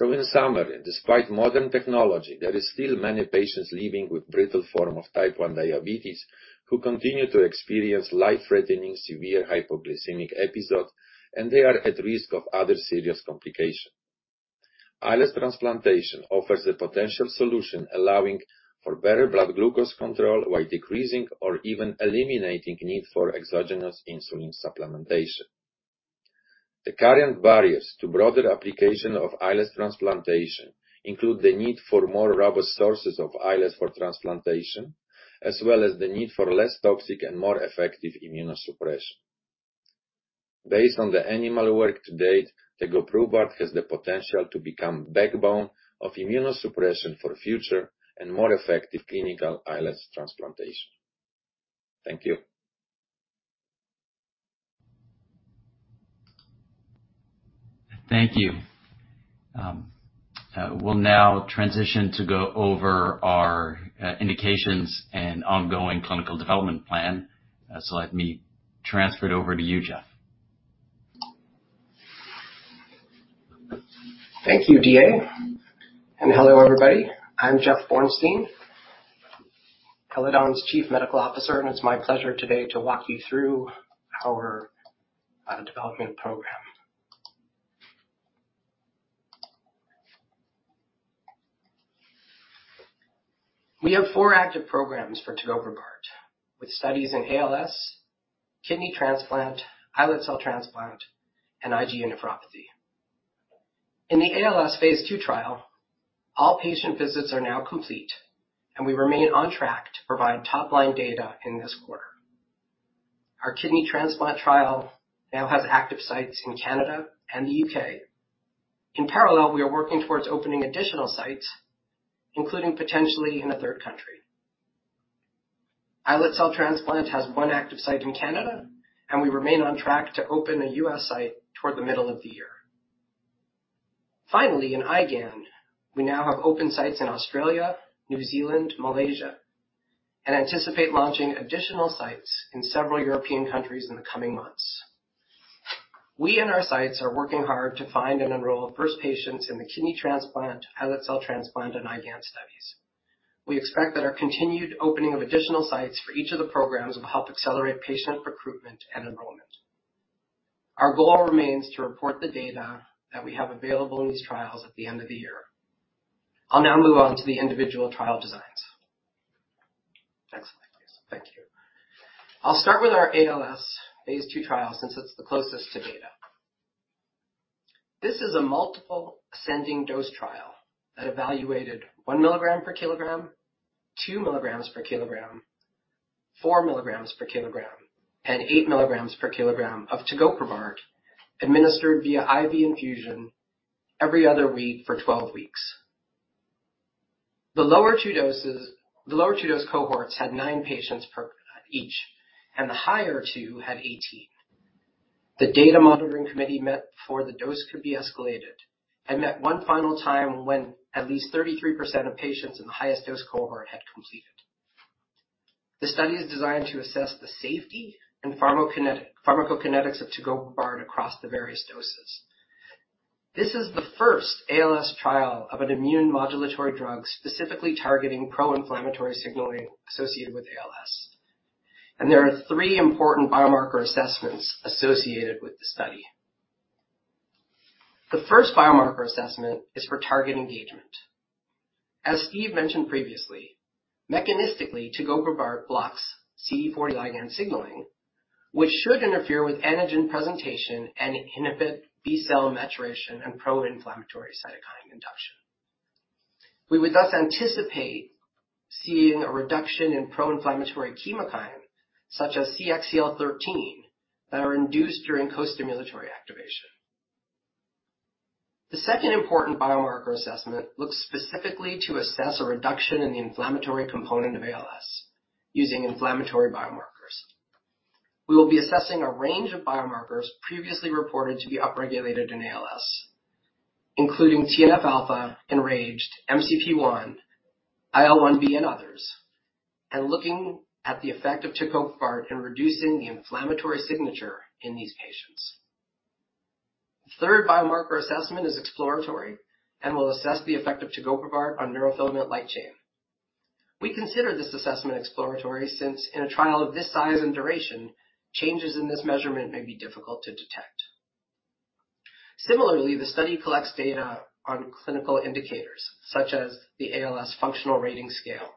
In summary, despite modern technology, there is still many patients living with brittle form of type 1 diabetes who continue to experience life-threatening severe hypoglycemic episodes, and they are at risk of other serious complications. Islet transplantation offers a potential solution allowing for better blood glucose control while decreasing or even eliminating need for exogenous insulin supplementation. The current barriers to broader application of islet transplantation include the need for more robust sources of islets for transplantation, as well as the need for less toxic and more effective immunosuppression. Based on the animal work to date, tegoprubart has the potential to become backbone of immunosuppression for future and more effective clinical islet transplantation. Thank you. Thank you. We'll now transition to go over our indications and ongoing clinical development plan. Let me transfer it over to you, Jeffrey. Thank you, David-Alexandre. Hello, everybody. I'm Jeffrey Bornstein, Eledon's Chief Medical Officer, and it's my pleasure today to walk you through our development program. We have 4 active programs for tegoprubart, with studies in ALS, kidney transplant, islet cell transplant, and IgA nephropathy. In the ALS phase II trial, all patient visits are now complete, and we remain on track to provide top-line data in this quarter. Our kidney transplant trial now has active sites in Canada and the U.K. In parallel, we are working towards opening additional sites, including potentially in a third country. Islet cell transplant has 1 active site in Canada, and we remain on track to open a U.S. site toward the middle of the year. Finally, in IgAN, we now have open sites in Australia, New Zealand, Malaysia, and anticipate launching additional sites in several European countries in the coming months. We and our sites are working hard to find and enroll first patients in the kidney transplant, islet cell transplant, and IgAN studies. We expect that our continued opening of additional sites for each of the programs will help accelerate patient recruitment and enrollment. Our goal remains to report the data that we have available in these trials at the end of the year. I'll now move on to the individual trial designs. Next slide, please. Thank you. I'll start with our ALS phase II trial since it's the closest to data. This is a multiple ascending dose trial that evaluated 1 milligram per kilogram, 2 milligrams per kilogram, 4 milligrams per kilogram, and 8 milligrams per kilogram of tegoprubart administered via IV infusion every other week for 12 weeks. The lower 2 doses... The lower two dose cohorts had 9 patients per each, and the higher two had 18. The data monitoring committee met before the dose could be escalated and met one final time when at least 33% of patients in the highest dose cohort had completed. The study is designed to assess the safety and pharmacokinetics of tegoprubart across the various doses. This is the first ALS trial of an immune modulatory drug specifically targeting pro-inflammatory signaling associated with ALS. There are three important biomarker assessments associated with the study. The first biomarker assessment is for target engagement. As Steven mentioned previously, mechanistically, tegoprubart blocks CD40 ligand signaling, which should interfere with antigen presentation and inhibit B-cell maturation and pro-inflammatory cytokine induction. We would thus anticipate seeing a reduction in pro-inflammatory chemokine, such as CXCL13, that are induced during co-stimulatory activation. The second important biomarker assessment looks specifically to assess a reduction in the inflammatory component of ALS using inflammatory biomarkers. We will be assessing a range of biomarkers previously reported to be upregulated in ALS, including TNF alpha and RAGE, MCP-1, IL-1B, and others, and looking at the effect of tegoprubart in reducing the inflammatory signature in these patients. The third biomarker assessment is exploratory and will assess the effect of tegoprubart on neurofilament light chain. We consider this assessment exploratory since in a trial of this size and duration, changes in this measurement may be difficult to detect. Similarly, the study collects data on clinical indicators such as the ALS Functional Rating Scale.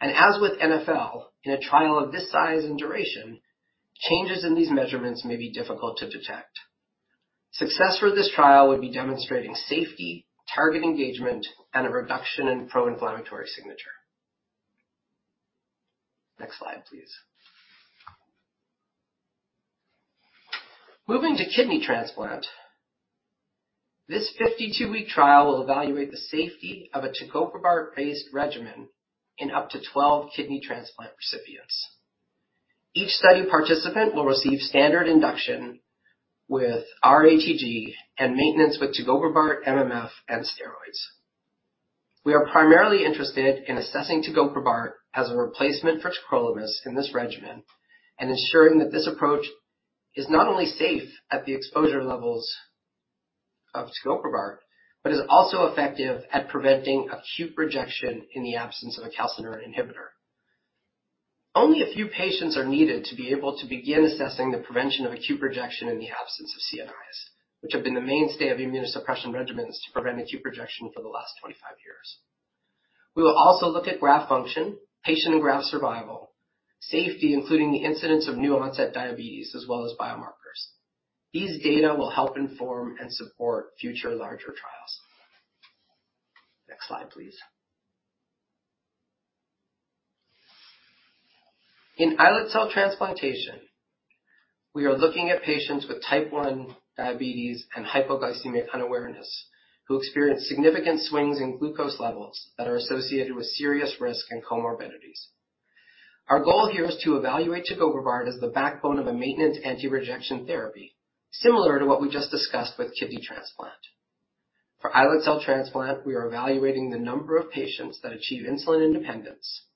As with NfL, in a trial of this size and duration, changes in these measurements may be difficult to detect. Success for this trial would be demonstrating safety, target engagement, and a reduction in pro-inflammatory signature. Next slide, please. Moving to kidney transplant. This 52-week trial will evaluate the safety of a tegoprubart-based regimen in up to 12 kidney transplant recipients. Each study participant will receive standard induction with RATG and maintenance with tegoprubart, MMF, and steroids. We are primarily interested in assessing tegoprubart as a replacement for tacrolimus in this regimen and ensuring that this approach is not only safe at the exposure levels of tegoprubart, but is also effective at preventing acute rejection in the absence of a calcineurin inhibitor. Only a few patients are needed to be able to begin assessing the prevention of acute rejection in the absence of CNIs, which have been the mainstay of immunosuppression regimens to prevent acute rejection for the last 25 years. We will also look at graft function, patient and graft survival, safety, including the incidence of new onset diabetes, as well as biomarkers. These data will help inform and support future larger trials. Next slide, please. In islet cell transplantation, we are looking at patients with type 1 diabetes and hypoglycemic unawareness who experience significant swings in glucose levels that are associated with serious risk and comorbidities. Our goal here is to evaluate tegoprubart as the backbone of a maintenance anti-rejection therapy, similar to what we just discussed with kidney transplant. For islet cell transplant, we are evaluating the number of patients that achieve insulin independence,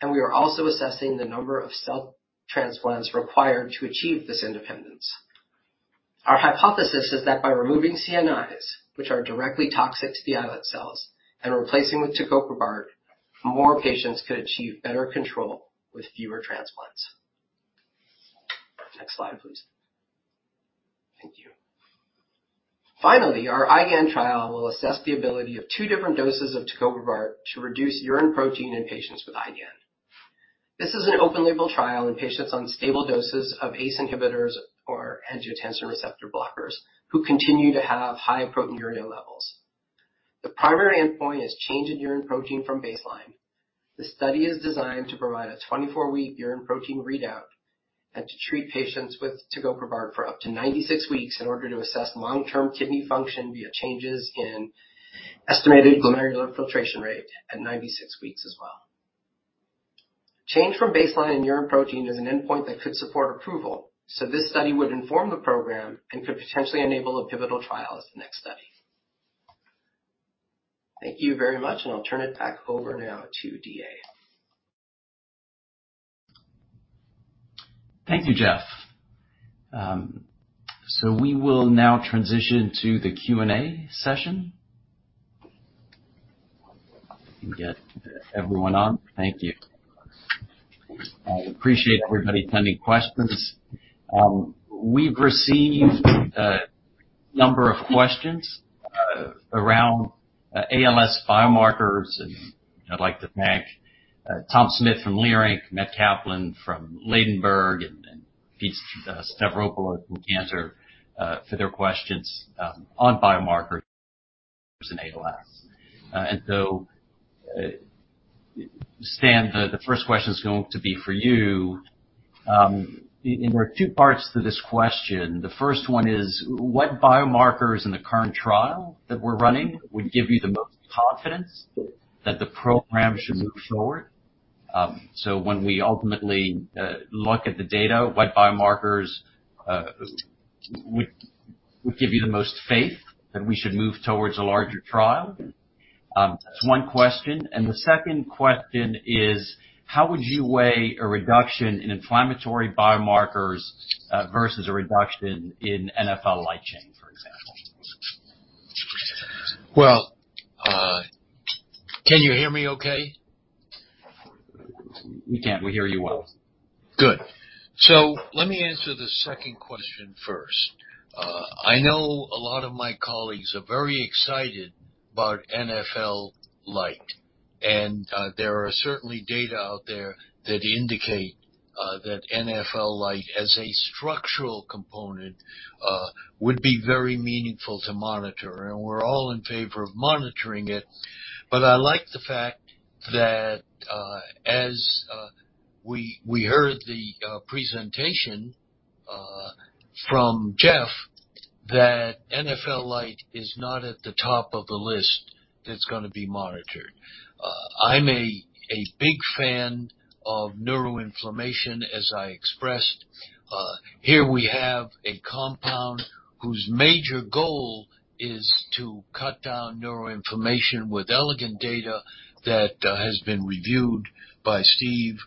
and we are also assessing the number of cell transplants required to achieve this independence. Our hypothesis is that by removing CNIs, which are directly toxic to the islet cells, and replacing with tegoprubart, more patients could achieve better control with fewer transplants. Next slide, please. Thank you. Finally, our IgAN trial will assess the ability of two different doses of tegoprubart to reduce urine protein in patients with IgAN. This is an open-label trial in patients on stable doses of ACE inhibitors or angiotensin receptor blockers who continue to have high proteinuria levels. The primary endpoint is change in urine protein from baseline. The study is designed to provide a 24-week urine protein readout and to treat patients with tegoprubart for up to 96 weeks in order to assess long-term kidney function via changes in estimated glomerular filtration rate at 96 weeks as well. Change from baseline in urine protein is an endpoint that could support approval, so this study would inform the program and could potentially enable a pivotal trial as the next study. Thank you very much, and I'll turn it back over now to David-Alexandre. Thank you, Jeffrey. We will now transition to the Q&A session. Get everyone on. Thank you. I appreciate everybody sending questions. We've received a number of questions around ALS biomarkers, and I'd like to thank Thomas Smith from Leerink Partners, Matt Kaplan from Ladenburg Thalmann, and Pete Stavropoulos from Cantor for their questions on biomarkers in ALS. Stanley, the first question is going to be for you. There are two parts to this question. The first one is what biomarkers in the current trial that we're running would give you the most confidence that the program should move forward? When we ultimately look at the data, what biomarkers would give you the most faith that we should move towards a larger trial? That's one question. The second question is how would you weigh a reduction in inflammatory biomarkers versus a reduction in NfL light chain, for example? Well, can you hear me okay? We can. We hear you well. Good. Let me answer the second question first. I know a lot of my colleagues are very excited about NfL light. There are certainly data out there that indicate that NfL light as a structural component would be very meaningful to monitor. We're all in favor of monitoring it. I like the fact that as we heard the presentation from Jeffrey, that NfL light is not at the top of the list that's gonna be monitored. I'm a big fan of neuroinflammation, as I expressed. Here we have a compound whose major goal is to cut down neuroinflammation with elegant data that has been reviewed by Steven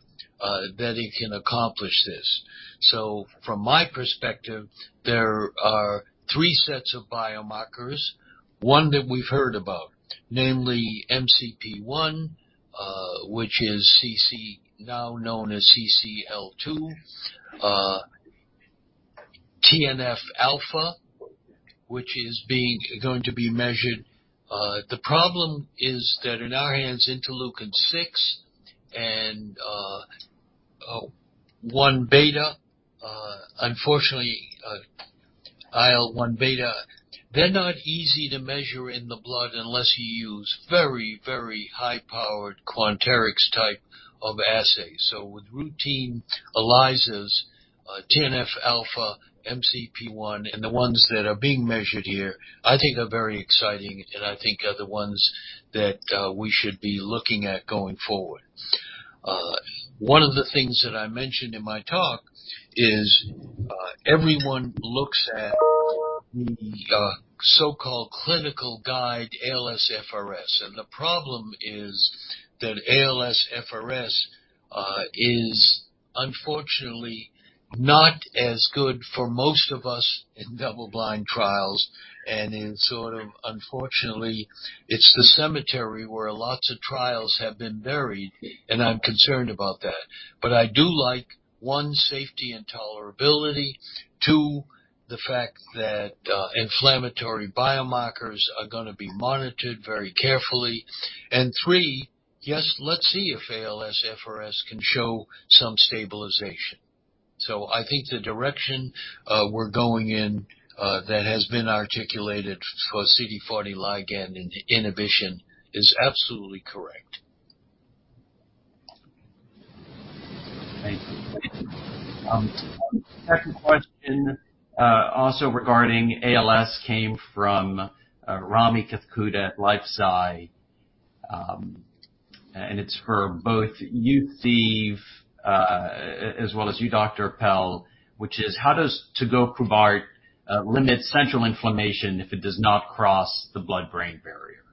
that it can accomplish this. From my perspective, there are three sets of biomarkers. One that we've heard about, namely MCP-1, which is now known as CCL2. TNF alpha, which is going to be measured. The problem is that in our hands, interleukin six and one beta, unfortunately, IL-1 beta, they're not easy to measure in the blood unless you use very, very high-powered Quanterix type of assays. With routine ELISAs, TNF alpha, MCP-1, and the ones that are being measured here, I think are very exciting and I think are the ones that we should be looking at going forward. One of the things that I mentioned in my talk is, everyone looks at the so-called clinical guide ALSFRS. The problem is that ALSFRS is unfortunately not as good for most of us in double-blind trials and unfortunately, it's the cemetery where lots of trials have been buried, and I'm concerned about that. But I do like, one, safety and tolerability. Two, the fact that inflammatory biomarkers are gonna be monitored very carefully. Three, yes, let's see if ALSFRS can show some stabilization. I think the direction we're going in that has been articulated for CD40 ligand inhibition is absolutely correct. Thank you. Second question, also regarding ALS came from Rami Katkhuda at LifeSci Capital, and it's for both you, Steven, as well as you, Dr. Appel, which is how does tegoprubart limit central inflammation if it does not cross the blood-brain barrier?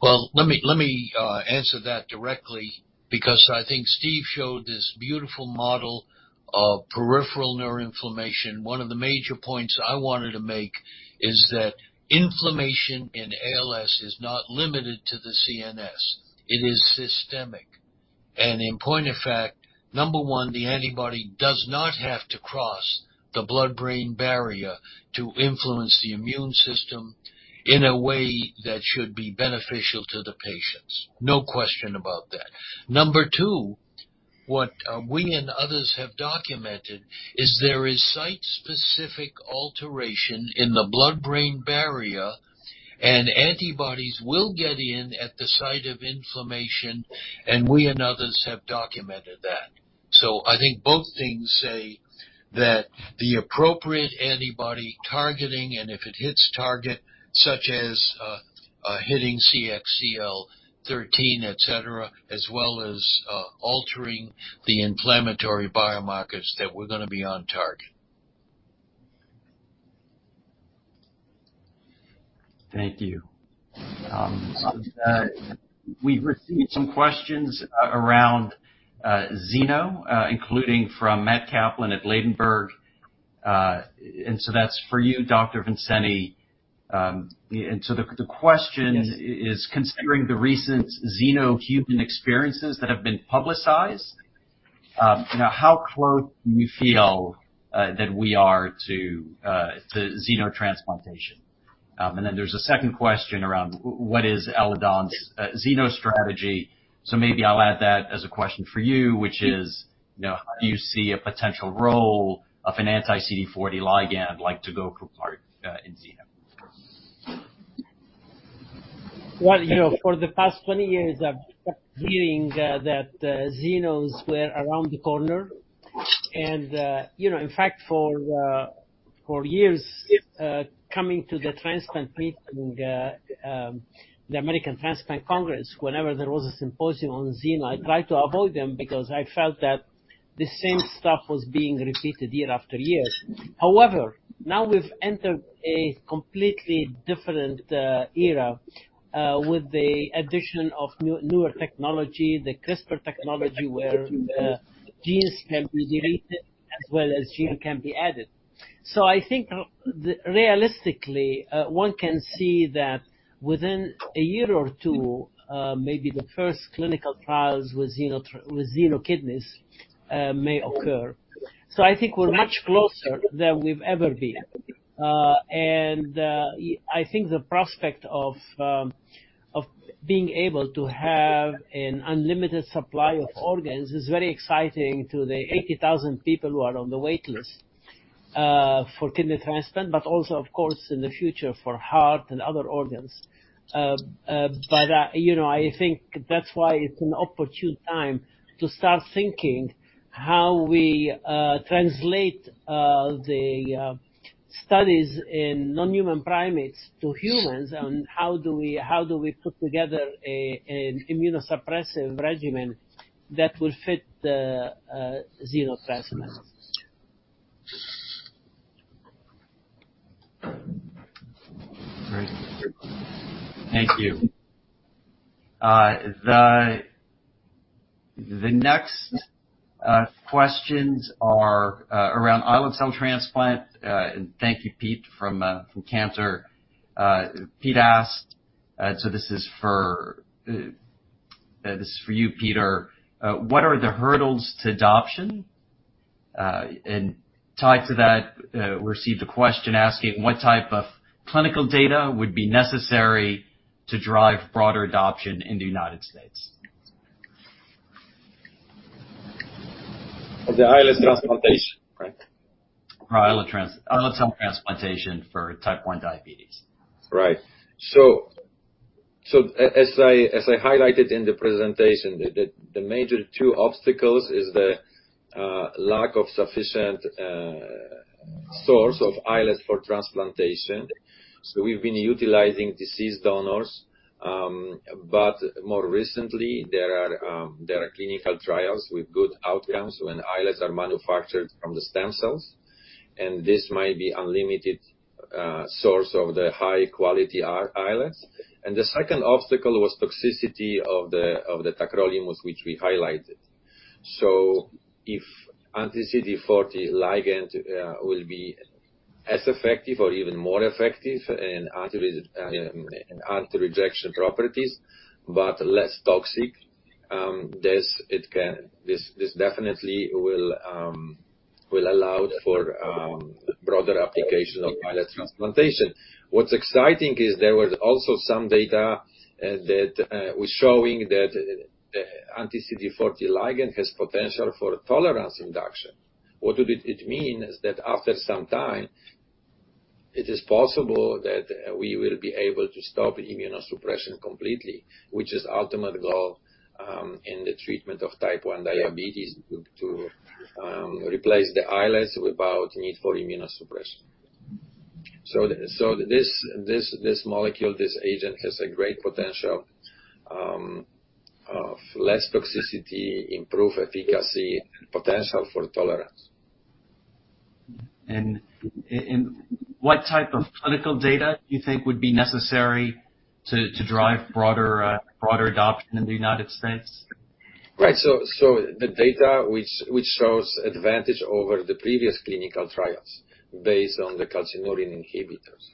Well, let me answer that directly because I think Steven showed this beautiful model of peripheral neuroinflammation. One of the major points I wanted to make is that inflammation in ALS is not limited to the CNS. It is systemic. In point of fact, number one, the antibody does not have to cross the blood-brain barrier to influence the immune system in a way that should be beneficial to the patients. No question about that. Number two, what we and others have documented is there is site-specific alteration in the blood-brain barrier, and antibodies will get in at the site of inflammation, and we and others have documented that. I think both things say that the appropriate antibody targeting and if it hits target, such as, hitting CXCL13, et cetera, as well as, altering the inflammatory biomarkers that we're gonna be on target. Thank you. We've received some questions around xeno, including from Matt Kaplan at Ladenburg Thalmann. That's for you, Dr. Vincenti. The question- Yes. Considering the recent xenotransplantation human experiences that have been publicized, you know, how close do you feel that we are to xenotransplantation? There's a second question around what is Eledon's Xeno strategy. Maybe I'll add that as a question for you, which is, you know, how do you see a potential role of an anti-CD40 ligand like tegoprubart in xeno? Well, you know, for the past 20 years, I'm hearing that xenos were around the corner. You know, in fact, for years coming to the transplant meeting, the American Transplant Congress, whenever there was a symposium on xeno, I tried to avoid them because I felt that the same stuff was being repeated year after year. However, now we've entered a completely different era with the addition of new, newer technology, the CRISPR technology, where genes can be deleted as well as genes can be added. I think realistically one can see that within a year or two, maybe the first clinical trials with xeno kidneys may occur. I think we're much closer than we've ever been. I think the prospect of being able to have an unlimited supply of organs is very exciting to the 80,000 people who are on the wait list for kidney transplant, but also, of course, in the future for heart and other organs. You know, I think that's why it's an opportune time to start thinking how we translate the studies in non-human primates to humans, and how do we put together an immunosuppressive regimen that will fit xenotransplants. Great. Thank you. The next questions are around islet cell transplant. Thank you, Pete Stavropoulos, from Cantor. Pete asked, so this is for you, Piotr. What are the hurdles to adoption? Tied to that, received a question asking what type of clinical data would be necessary to drive broader adoption in the United States? Of the islet transplantation, right? Islet cell transplantation for type 1 diabetes. As I highlighted in the presentation, the major two obstacles is the lack of sufficient source of islets for transplantation. We've been utilizing deceased donors, but more recently there are clinical trials with good outcomes when islets are manufactured from the stem cells, and this might be unlimited source of the high-quality islets. The second obstacle was toxicity of the tacrolimus, which we highlighted. If anti-CD40 ligand will be as effective or even more effective in anti-rejection properties, but less toxic, this definitely will allow for broader application of islet transplantation. What's exciting is there was also some data that was showing that anti-CD40 ligand has potential for tolerance induction. What it means is that after some time, it is possible that we will be able to stop immunosuppression completely, which is ultimate goal in the treatment of type 1 diabetes, to replace the islets without need for immunosuppression. This molecule, this agent has a great potential of less toxicity, improved efficacy, and potential for tolerance. What type of clinical data do you think would be necessary to drive broader adoption in the United States? Right. The data which shows advantage over the previous clinical trials based on the calcineurin inhibitors.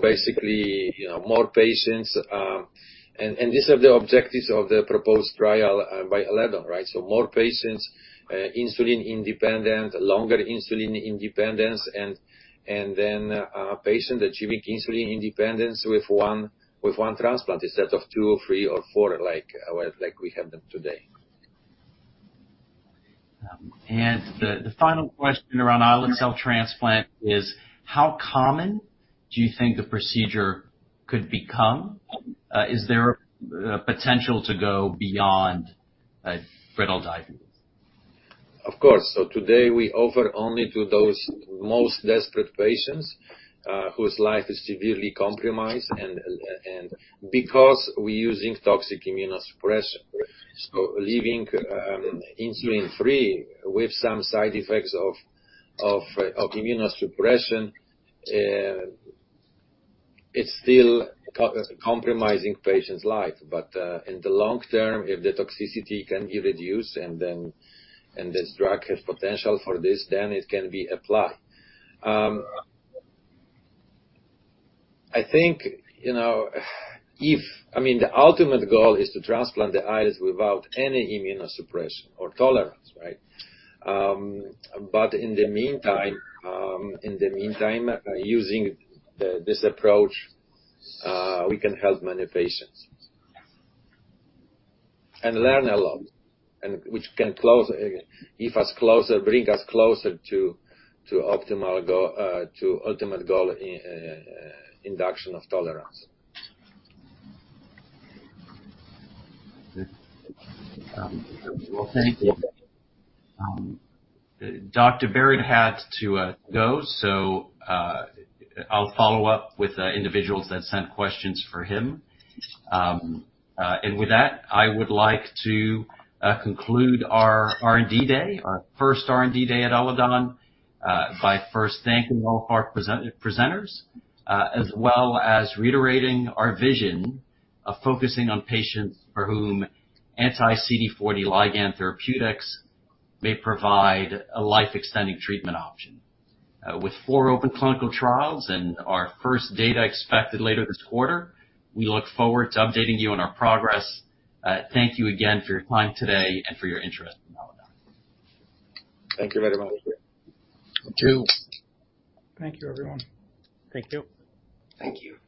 Basically, you know, more patients. These are the objectives of the proposed trial by Eledon, right? More patients, insulin independent, longer insulin independence, and then patient achieving insulin independence with one transplant instead of 2 or 3 or 4, like we have them today. The final question around islet cell transplant is how common do you think the procedure could become? Is there potential to go beyond brittle diabetes? Of course. Today we offer only to those most desperate patients whose life is severely compromised and because we're using toxic immunosuppression. Living insulin-free with some side effects of immunosuppression, it's still compromising patients' life. In the long term, if the toxicity can be reduced and this drug has potential for this, then it can be applied. I think, you know, I mean, the ultimate goal is to transplant the islets without any immunosuppression or tolerance, right? In the meantime, using this approach, we can help many patients and learn a lot and which can bring us closer to optimal goal, to ultimate goal in induction of tolerance. Well, thank you. Dr. Barratt had to go, so I'll follow up with the individuals that sent questions for him. With that, I would like to conclude our R&D day, our first R&D day at Eledon, by first thanking all of our presenters, as well as reiterating our vision of focusing on patients for whom anti-CD40 ligand therapeutics may provide a life-extending treatment option. With 4 open clinical trials and our first data expected later this quarter, we look forward to updating you on our progress. Thank you again for your time today and for your interest in Eledon. Thank you very much. Thank you. Thank you, everyone. Thank you. Thank you.